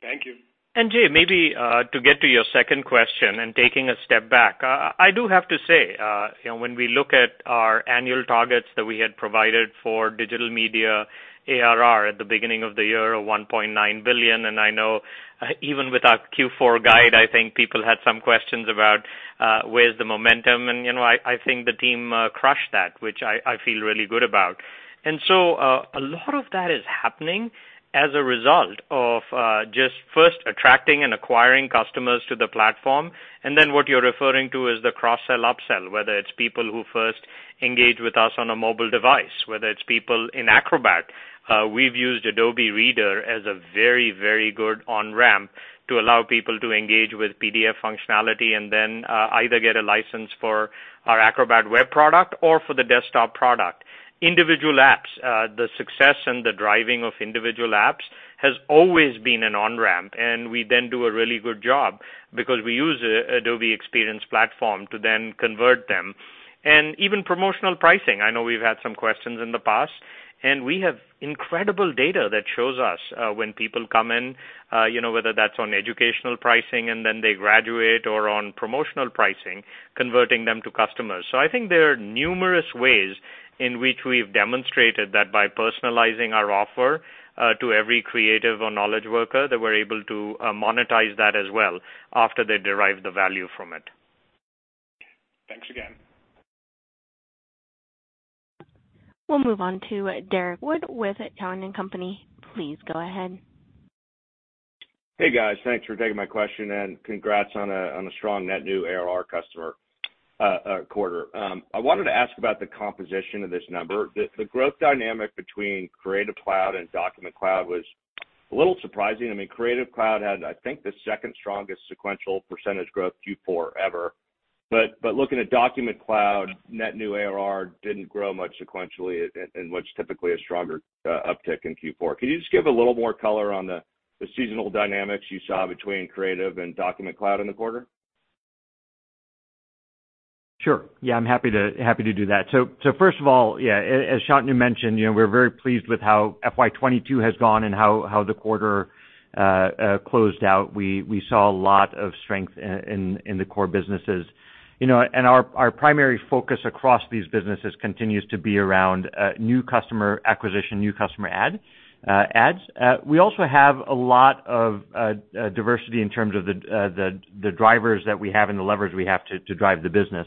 Thank you. Jay, maybe, to get to your second question and taking a step back, I do have to say, you know, when we look at our annual targets that we had provided for Digital Media ARR at the beginning of the year of $1.9 billion, and I know even with our Q4 guide, I think people had some questions about, where's the momentum. You know, I think the team crushed that, which I feel really good about. A lot of that is happening as a result of just first attracting and acquiring customers to the platform, and then what you're referring to is the cross-sell, up-sell, whether it's people who first engage with us on a mobile device, whether it's people in Acrobat. We've used Adobe Reader as a very, very good on-ramp to allow people to engage with PDF functionality and then either get a license for our Acrobat Web product or for the desktop product. Individual apps, the success and the driving of individual apps has always been an on-ramp, and we then do a really good job because we use Adobe Experience Platform to then convert them. Even promotional pricing. I know we've had some questions in the past, and we have incredible data that shows us, you know, whether that's on educational pricing and then they graduate or on promotional pricing, converting them to customers. I think there are numerous ways in which we've demonstrated that by personalizing our offer to every creative or knowledge worker, that we're able to monetize that as well after they derive the value from it. Thanks again. We'll move on to Derrick Wood with Cowen & Company. Please go ahead. Hey, guys. Thanks for taking my question, and congrats on a strong net new ARR customer quarter. I wanted to ask about the composition of this number. The growth dynamic between Creative Cloud and Document Cloud was a little surprising. I mean, Creative Cloud had, I think, the second strongest sequential percent growth Q4 ever. Looking at Document Cloud, net new ARR didn't grow much sequentially in what's typically a stronger uptick in Q4. Can you just give a little more color on the seasonal dynamics you saw between Creative Cloud and Document Cloud in the quarter? Sure. Yeah, I'm happy to, happy to do that. First of all, as Shantanu mentioned, you know, we're very pleased with how FY 2022 has gone and how the quarter closed out. We saw a lot of strength in the core businesses. You know, our primary focus across these businesses continues to be around new customer acquisition, new customer ads. We also have a lot of diversity in terms of the drivers that we have and the levers we have to drive the business.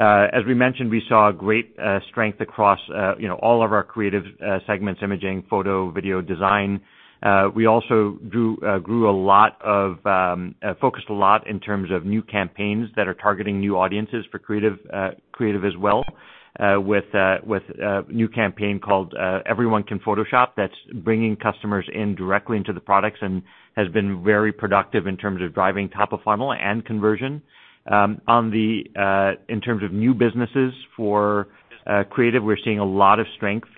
As we mentioned, we saw great strength across, you know, all of our creative segments, imaging, photo, video design. We also grew a lot of focused a lot in terms of new campaigns that are targeting new audiences for creative as well, with a new campaign called Everyone Can Photoshop that's bringing customers in directly into the products and has been very productive in terms of driving top-of-funnel and conversion. On the in terms of new businesses for creative, we're seeing a lot of strength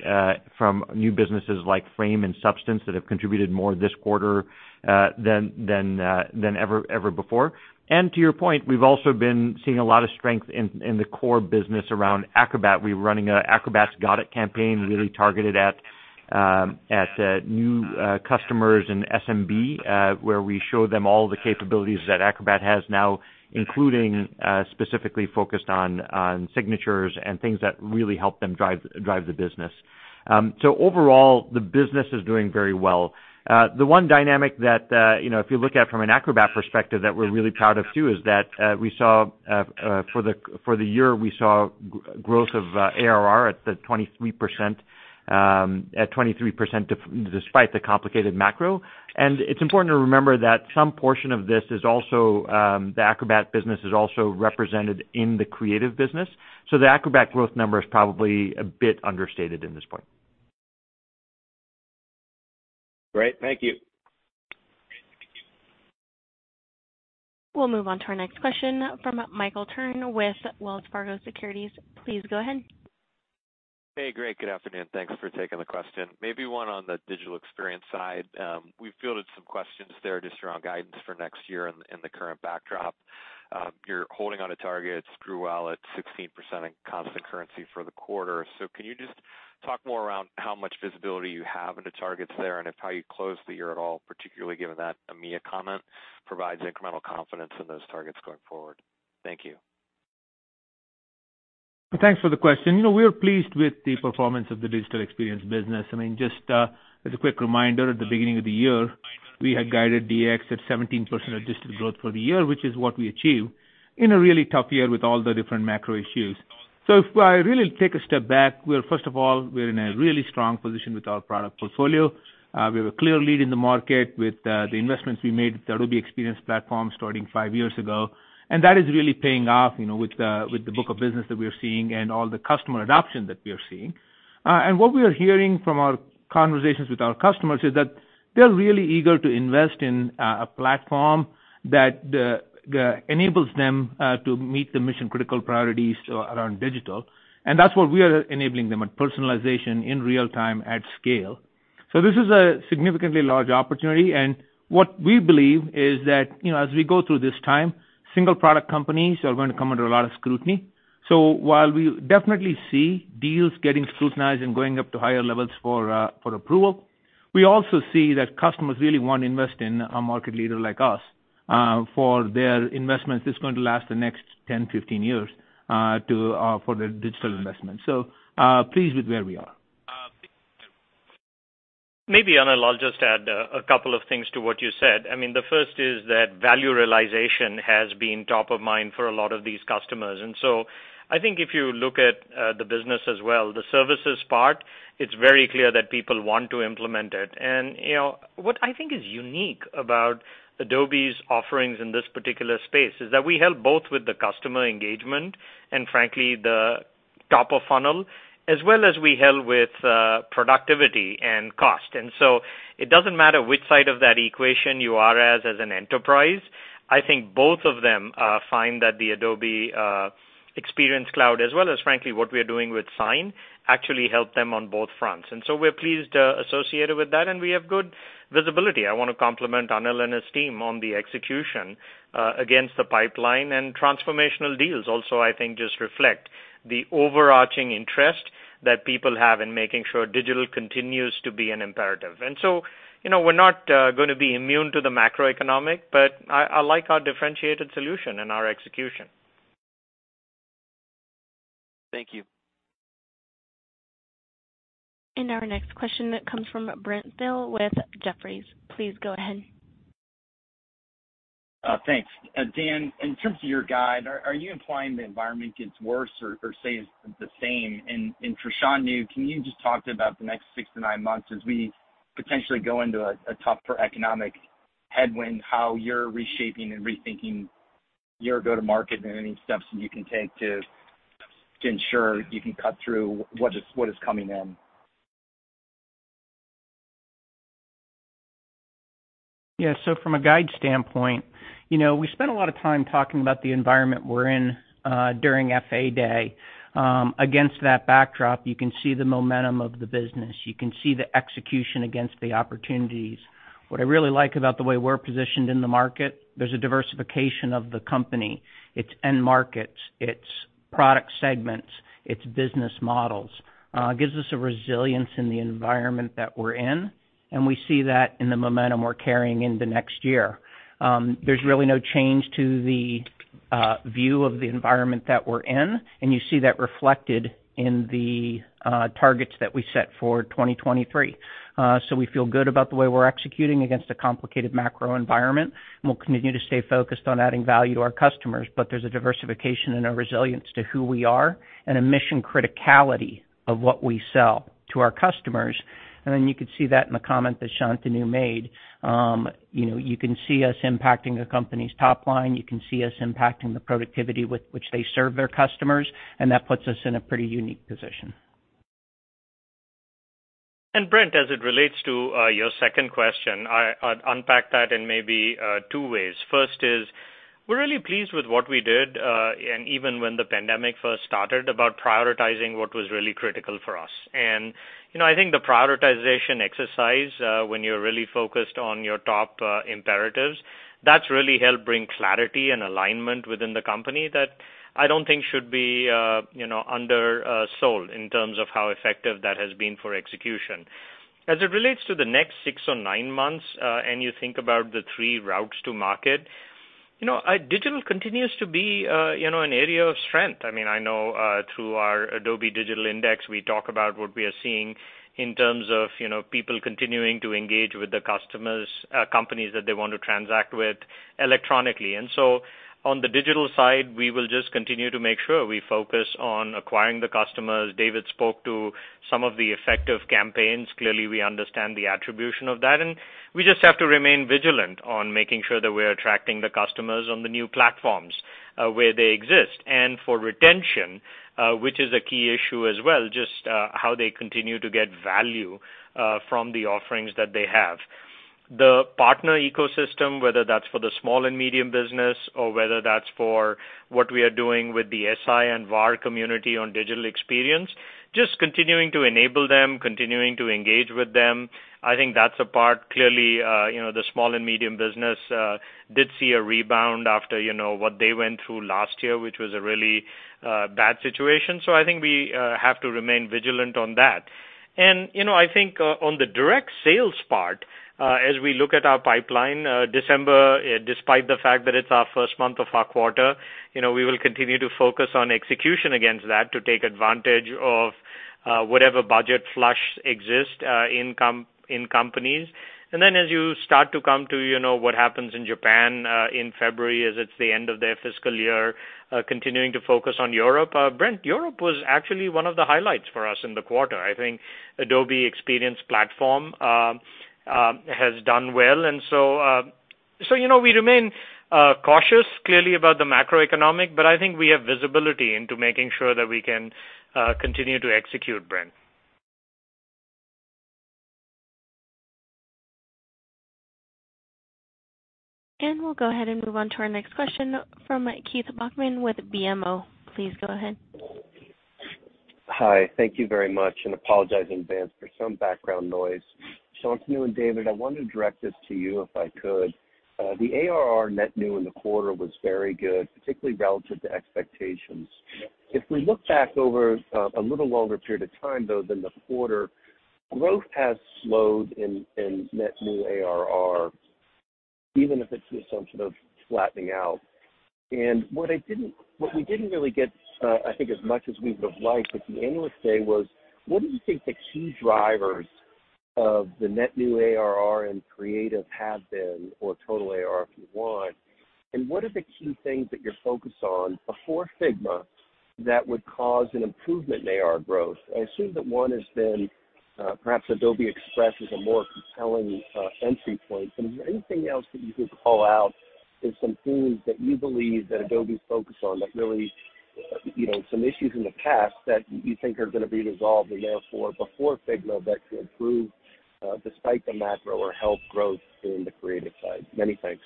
from new businesses like Frame and Substance that have contributed more this quarter than ever before. To your point, we've also been seeing a lot of strength in the core business around Acrobat. We're running an Acrobat's Got It campaign really targeted at new customers in SMB, where we show them all the capabilities that Acrobat has now, including specifically focused on signatures and things that really help them drive the business. Overall, the business is doing very well. The one dynamic that, you know, if you look at from an Acrobat perspective that we're really proud of too, is that we saw for the year, we saw growth of ARR at 23% despite the complicated macro. It's important to remember that some portion of this is also the Acrobat business is also represented in the creative business. The Acrobat growth number is probably a bit understated in this point. Great. Thank you. We'll move on to our next question from Michael Turrin with Wells Fargo Securities. Please go ahead. Hey, great. Good afternoon. Thanks for taking the question. Maybe one on the Digital Experience side. We've fielded some questions there just around guidance for next year in the current backdrop. You're holding on to targets, grew well at 16% in constant currency for the quarter. Can you just talk more around how much visibility you have into targets there and if how you closed the year at all, particularly given that EMEA comment provides incremental confidence in those targets going forward? Thank you. Thanks for the question. You know, we are pleased with the performance of the Digital Experience business. I mean, just as a quick reminder, at the beginning of the year, we had guided DX at 17% adjusted growth for the year, which is what we achieved in a really tough year with all the different macro issues. If I really take a step back, we're first of all in a really strong position with our product portfolio. We have a clear lead in the market with the investments we made with the Adobe Experience Platform starting five years ago, and that is really paying off, you know, with the book of business that we are seeing and all the customer adoption that we are seeing. What we are hearing from our conversations with our customers is that they're really eager to invest in a platform that enables them to meet the mission-critical priorities around digital. That's what we are enabling them, a personalization in real time at scale. This is a significantly large opportunity, and what we believe is that, you know, as we go through this time, single product companies are going to come under a lot of scrutiny. While we definitely see deals getting scrutinized and going up to higher levels for approval, we also see that customers really want to invest in a market leader like us for their investments that's going to last the next 10, 15 years to for the digital investment. Pleased with where we are. Maybe, Anil, I'll just add a couple of things to what you said. I mean, the first is that value realization has been top of mind for a lot of these customers. I think if you look at the business as well, the services part, it's very clear that people want to implement it. You know, what I think is unique about Adobe's offerings in this particular space is that we help both with the customer engagement and frankly, the top of funnel, as well as we help with productivity and cost. It doesn't matter which side of that equation you are as an enterprise, I think both of them find that the Adobe Experience Cloud, as well as frankly what we are doing with Sign, actually help them on both fronts. We're pleased associated with that and we have good visibility. I want to compliment Anil and his team on the execution against the pipeline and transformational deals also I think just reflect the overarching interest that people have in making sure digital continues to be an imperative. You know, we're not gonna be immune to the macroeconomic, but I like our differentiated solution and our execution. Thank you. Our next question comes from Brent Thill with Jefferies. Please go ahead. Thanks. Dan, in terms of your guide, are you implying the environment gets worse or stays the same? For Shantanu, can you just talk to about the next six to nine months as we potentially go into a tougher economic headwind, how you're reshaping and rethinking your go-to-market and any steps that you can take to ensure you can cut through what is coming in? Yeah. From a guide standpoint, you know, we spent a lot of time talking about the environment we're in during FA Day. Against that backdrop, you can see the momentum of the business. You can see the execution against the opportunities. What I really like about the way we're positioned in the market, there's a diversification of the company, its end markets, its product segments, its business models, gives us a resilience in the environment that we're in, and we see that in the momentum we're carrying in the next year. There's really no change to the view of the environment that we're in, and you see that reflected in the targets that we set for 2023. We feel good about the way we're executing against a complicated macro environment, and we'll continue to stay focused on adding value to our customers. There's a diversification and a resilience to who we are and a mission criticality of what we sell to our customers. You could see that in the comment that Shantanu made. You know, you can see us impacting a company's top line. You can see us impacting the productivity with which they serve their customers, and that puts us in a pretty unique position. Brent, as it relates to, your second question, I'd unpack that in maybe, two ways. First is, we're really pleased with what we did, and even when the pandemic first started, about prioritizing what was really critical for us. You know, I think the prioritization exercise, when you're really focused on your top, imperatives, that's really helped bring clarity and alignment within the company that I don't think should be, you know, undersold in terms of how effective that has been for execution. As it relates to the next six or nine months, and you think about the three routes to market, you know, digital continues to be, you know, an area of strength. I mean, I know, through our Adobe Digital Index, we talk about what we are seeing in terms of, you know, people continuing to engage with the customers, companies that they want to transact with electronically. On the digital side, we will just continue to make sure we focus on acquiring the customers. David spoke to some of the effective campaigns. Clearly, we understand the attribution of that, and we just have to remain vigilant on making sure that we're attracting the customers on the new platforms, where they exist. For retention, which is a key issue as well, just how they continue to get value from the offerings that they have. The partner ecosystem, whether that's for the small and medium business or whether that's for what we are doing with the SI and VAR community on digital experience, just continuing to enable them, continuing to engage with them. I think that's a part. Clearly, you know, the small and medium business did see a rebound after, you know, what they went through last year, which was a really bad situation. I think we have to remain vigilant on that. You know, I think on the direct sales part, as we look at our pipeline, December, despite the fact that it's our first month of our quarter, you know, we will continue to focus on execution against that to take advantage of whatever budget flush exists in companies. As you start to come to, you know, what happens in Japan, in February as it's the end of their fiscal year, continuing to focus on Europe. Brent, Europe was actually one of the highlights for us in the quarter. I think Adobe Experience Platform has done well. So you know, we remain cautious clearly about the macroeconomic, but I think we have visibility into making sure that we can continue to execute, Brent. We'll go ahead and move on to our next question from Keith Bachman with BMO. Please go ahead. Hi. Thank you very much. Apologize in advance for some background noise. Shantanu and David, I wanted to direct this to you if I could. The ARR net new in the quarter was very good, particularly relative to expectations. If we look back over a little longer period of time though than the quarter, growth has slowed in net new ARR, even if it's the assumption of flattening out. What we didn't really get, I think as much as we would have liked at the Analyst Day was, what do you think the key drivers of the net new ARR and creative have been, or total ARR, if you want? What are the key things that you're focused on before Figma that would cause an improvement in AR growth? I assume that one has been, perhaps Adobe Express is a more compelling entry point. Is there anything else that you could call out as some themes that you believe that Adobe's focused on that really, you know, some issues in the past that you think are gonna be resolved and therefore before Figma that could improve, despite the macro or help growth in the creative side? Many thanks.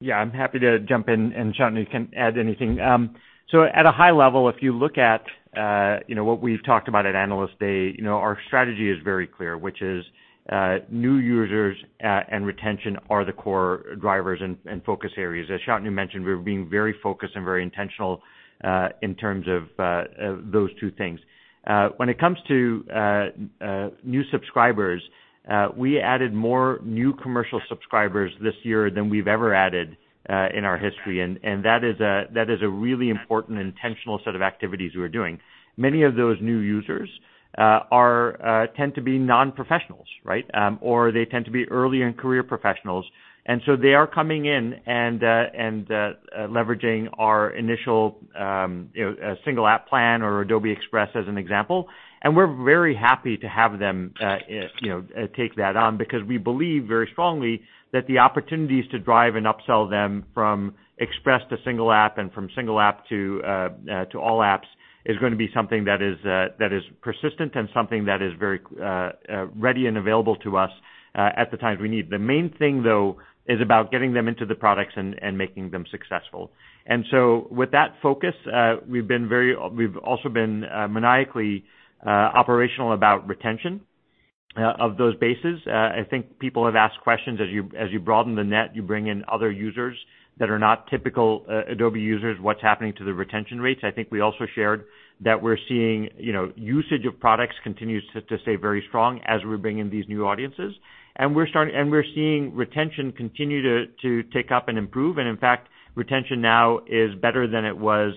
Yeah, I'm happy to jump in, and Shantanu can add anything. At a high level, if you look at, you know, what we've talked about at Analyst Day, you know, our strategy is very clear, which is, new users, and retention are the core drivers and focus areas. As Shantanu mentioned, we're being very focused and very intentional in terms of those two things. When it comes to new subscribers, we added more new commercial subscribers this year than we've ever added in our history, and that is a really important intentional set of activities we're doing. Many of those new users, are, tend to be non-professionals, right? Or they tend to be early in career professionals, they are coming in and, you know, leveraging our initial single app plan or Adobe Express as an example. We're very happy to have them, you know, take that on because we believe very strongly that the opportunities to drive and upsell them from Express to single app and from single app to all apps is gonna be something that is persistent and something that is very ready and available to us at the times we need. The main thing, though, is about getting them into the products and making them successful. With that focus, we've also been maniacally operational about retention of those bases. I think people have asked questions as you, as you broaden the net, you bring in other users that are not typical Adobe users, what's happening to the retention rates. I think we also shared that we're seeing, you know, usage of products continues to stay very strong as we bring in these new audiences. We're seeing retention continue to tick up and improve. In fact, retention now is better than it was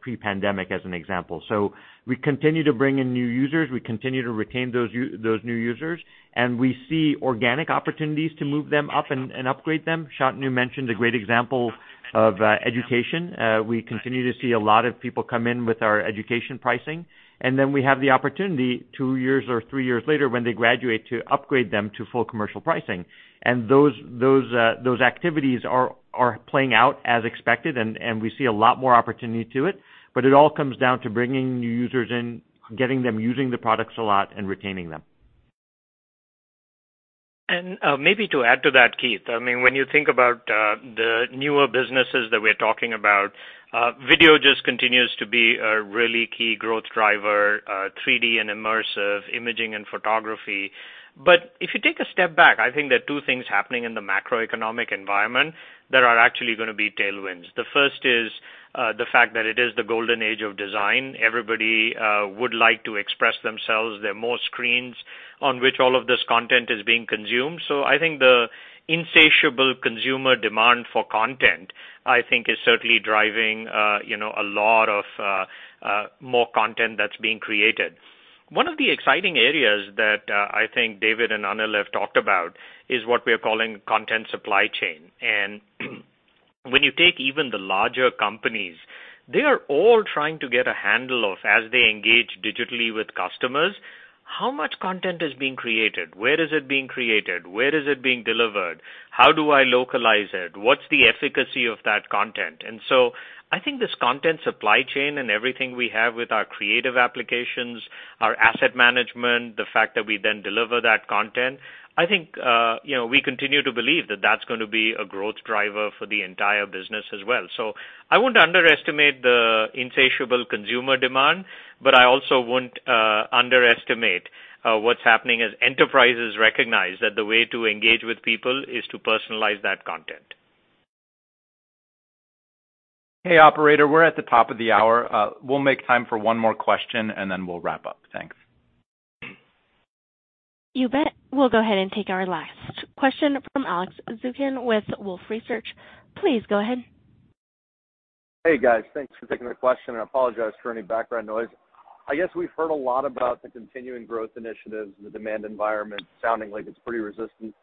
pre-pandemic, as an example. We continue to bring in new users. We continue to retain those new users, and we see organic opportunities to move them up and upgrade them. Shantanu mentioned a great example of education. We continue to see a lot of people come in with our education pricing. We have the opportunity two years or three years later when they graduate to upgrade them to full commercial pricing. Those activities are playing out as expected, and we see a lot more opportunity to it. It all comes down to bringing new users in, getting them using the products a lot, and retaining them. Maybe to add to that, Keith, I mean, when you think about the newer businesses that we're talking about, video just continues to be a really key growth driver, 3D and immersive imaging and photography. If you take a step back, I think there are two things happening in the macroeconomic environment that are actually gonna be tailwinds. The first is the fact that it is the golden age of design. Everybody would like to express themselves. There are more screens on which all of this content is being consumed. I think the insatiable consumer demand for content, I think is certainly driving, you know, a lot of more content that's being created. One of the exciting areas that I think David and Anil have talked about is what we are calling content supply chain. When you take even the larger companies, they are all trying to get a handle of, as they engage digitally with customers, how much content is being created? Where is it being created? Where is it being delivered? How do I localize it? What's the efficacy of that content? I think this content supply chain and everything we have with our creative applications, our asset management, the fact that we then deliver that content, I think, you know, we continue to believe that that's gonna be a growth driver for the entire business as well. I wouldn't underestimate the insatiable consumer demand, but I also wouldn't underestimate what's happening as enterprises recognize that the way to engage with people is to personalize that content. Hey, operator, we're at the top of the hour. We'll make time for one more question, and then we'll wrap up. Thanks. You bet. We'll go ahead and take our last question from Alex Zukin with Wolfe Research. Please go ahead. Hey, guys. Thanks for taking the question. I apologize for any background noise. I guess we've heard a lot about the continuing growth initiatives, the demand environment sounding like it's pretty resistant,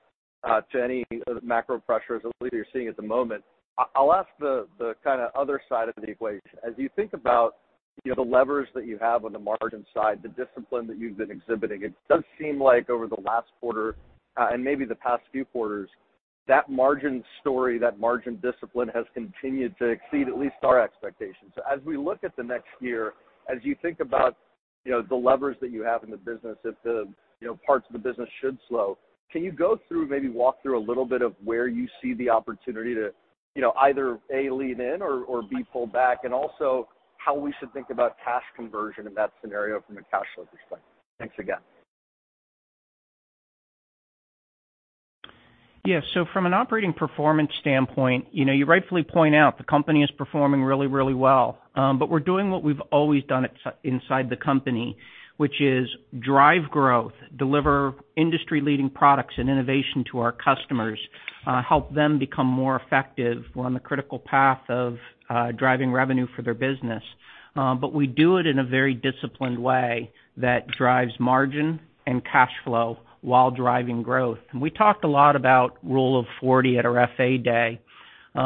to any other macro pressures that you're seeing at the moment. I'll ask the kinda other side of the equation. As you think about, you know, the levers that you have on the margin side, the discipline that you've been exhibiting, it does seem like over the last quarter, and maybe the past few quarters, that margin story, that margin discipline has continued to exceed at least our expectations. As we look at the next year, as you think about, you know, the levers that you have in the business if the, you know, parts of the business should slow, can you go through or maybe walk through a little bit of where you see the opportunity to, you know, either, A, lean in or B, pull back? Also, how we should think about cash conversion in that scenario from a cash flow perspective. Thanks again. From an operating performance standpoint, you know, you rightfully point out the company is performing really, really well. We're doing what we've always done inside the company, which is drive growth, deliver industry-leading products and innovation to our customers, help them become more effective. We're on the critical path of driving revenue for their business. We do it in a very disciplined way that drives margin and cash flow while driving growth. We talked a lot about Rule of 40 at our FA Day. You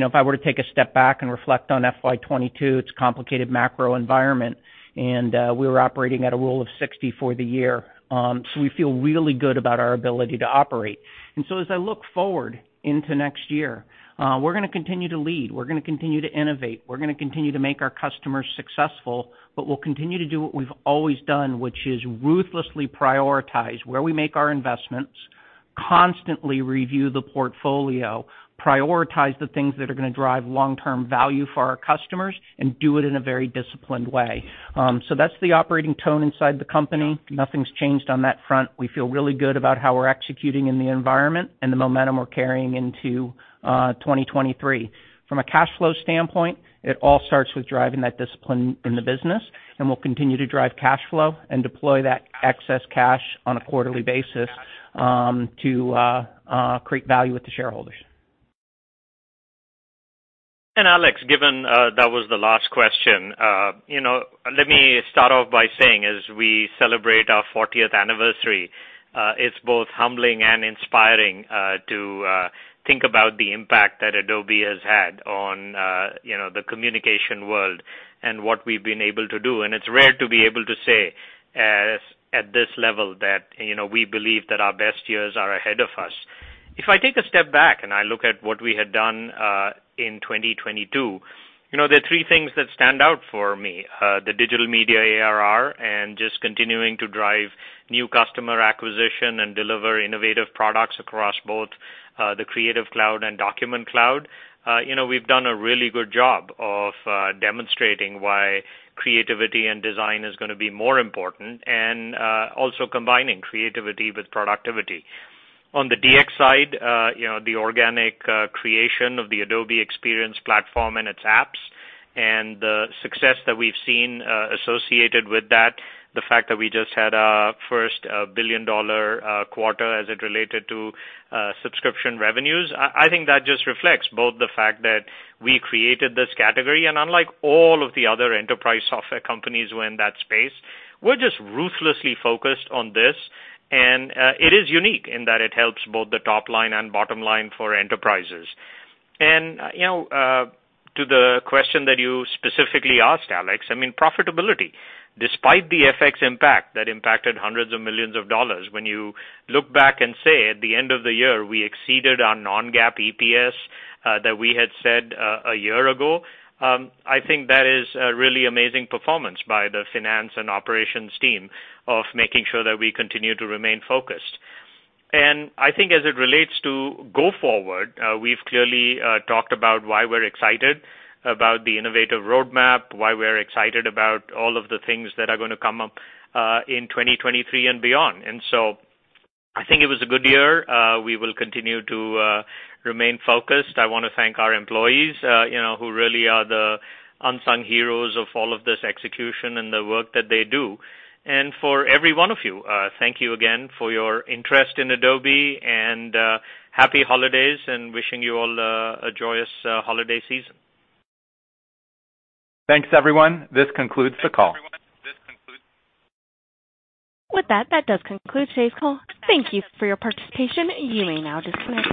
know, if I were to take a step back and reflect on FY 2022, it's a complicated macro environment, we're operating at a Rule of 60 for the year. We feel really good about our ability to operate. As I look forward into next year, we're gonna continue to lead, we're gonna continue to innovate, we're gonna continue to make our customers successful, but we'll continue to do what we've always done, which is ruthlessly prioritize where we make our investments, constantly review the portfolio, prioritize the things that are gonna drive long-term value for our customers, and do it in a very disciplined way. That's the operating tone inside the company. Nothing's changed on that front. We feel really good about how we're executing in the environment and the momentum we're carrying into 2023. From a cash flow standpoint, it all starts with driving that discipline in the business, and we'll continue to drive cash flow and deploy that excess cash on a quarterly basis, to create value with the shareholders. Alex, given that was the last question, you know, let me start off by saying, as we celebrate our 40th anniversary, it's both humbling and inspiring to think about the impact that Adobe has had on, you know, the communication world and what we've been able to do. It's rare to be able to say at this level that, you know, we believe that our best years are ahead of us. If I take a step back and I look at what we had done, in 2022, you know, there are three things that stand out for me. The digital media ARR and just continuing to drive new customer acquisition and deliver innovative products across both the Creative Cloud and Document Cloud. You know, we've done a really good job of demonstrating why creativity and design is gonna be more important and also combining creativity with productivity. On the DX side, you know, the organic creation of the Adobe Experience Platform and its apps and the success that we've seen associated with that, the fact that we just had our first billion-dollar quarter as it related to subscription revenues, I think that just reflects both the fact that we created this category. Unlike all of the other enterprise software companies who are in that space, we're just ruthlessly focused on this. It is unique in that it helps both the top line and bottom line for enterprises. You know, to the question that you specifically asked, Alex, I mean, profitability. act that impacted hundreds of millions of dollars, when you look back and say at the end of the year, we exceeded our non-GAAP EPS that we had set a year ago, I think that is a really amazing performance by the finance and operations team of making sure that we continue to remain focused. As it relates to go forward, we've clearly talked about why we're excited about the innovative roadmap, why we're excited about all of the things that are going to come up in 2023 and beyond. So I think it was a good year. We will continue to remain focused. I want to thank our employees, you know, who really are the unsung heroes of all of this execution and the work that they do. For every one of you, thank you again for your interest in Adobe, and happy holidays and wishing you all a joyous holiday season. Thanks, everyone. This concludes the call. With that does conclude today's call. Thank you for your participation. You may now disconnect.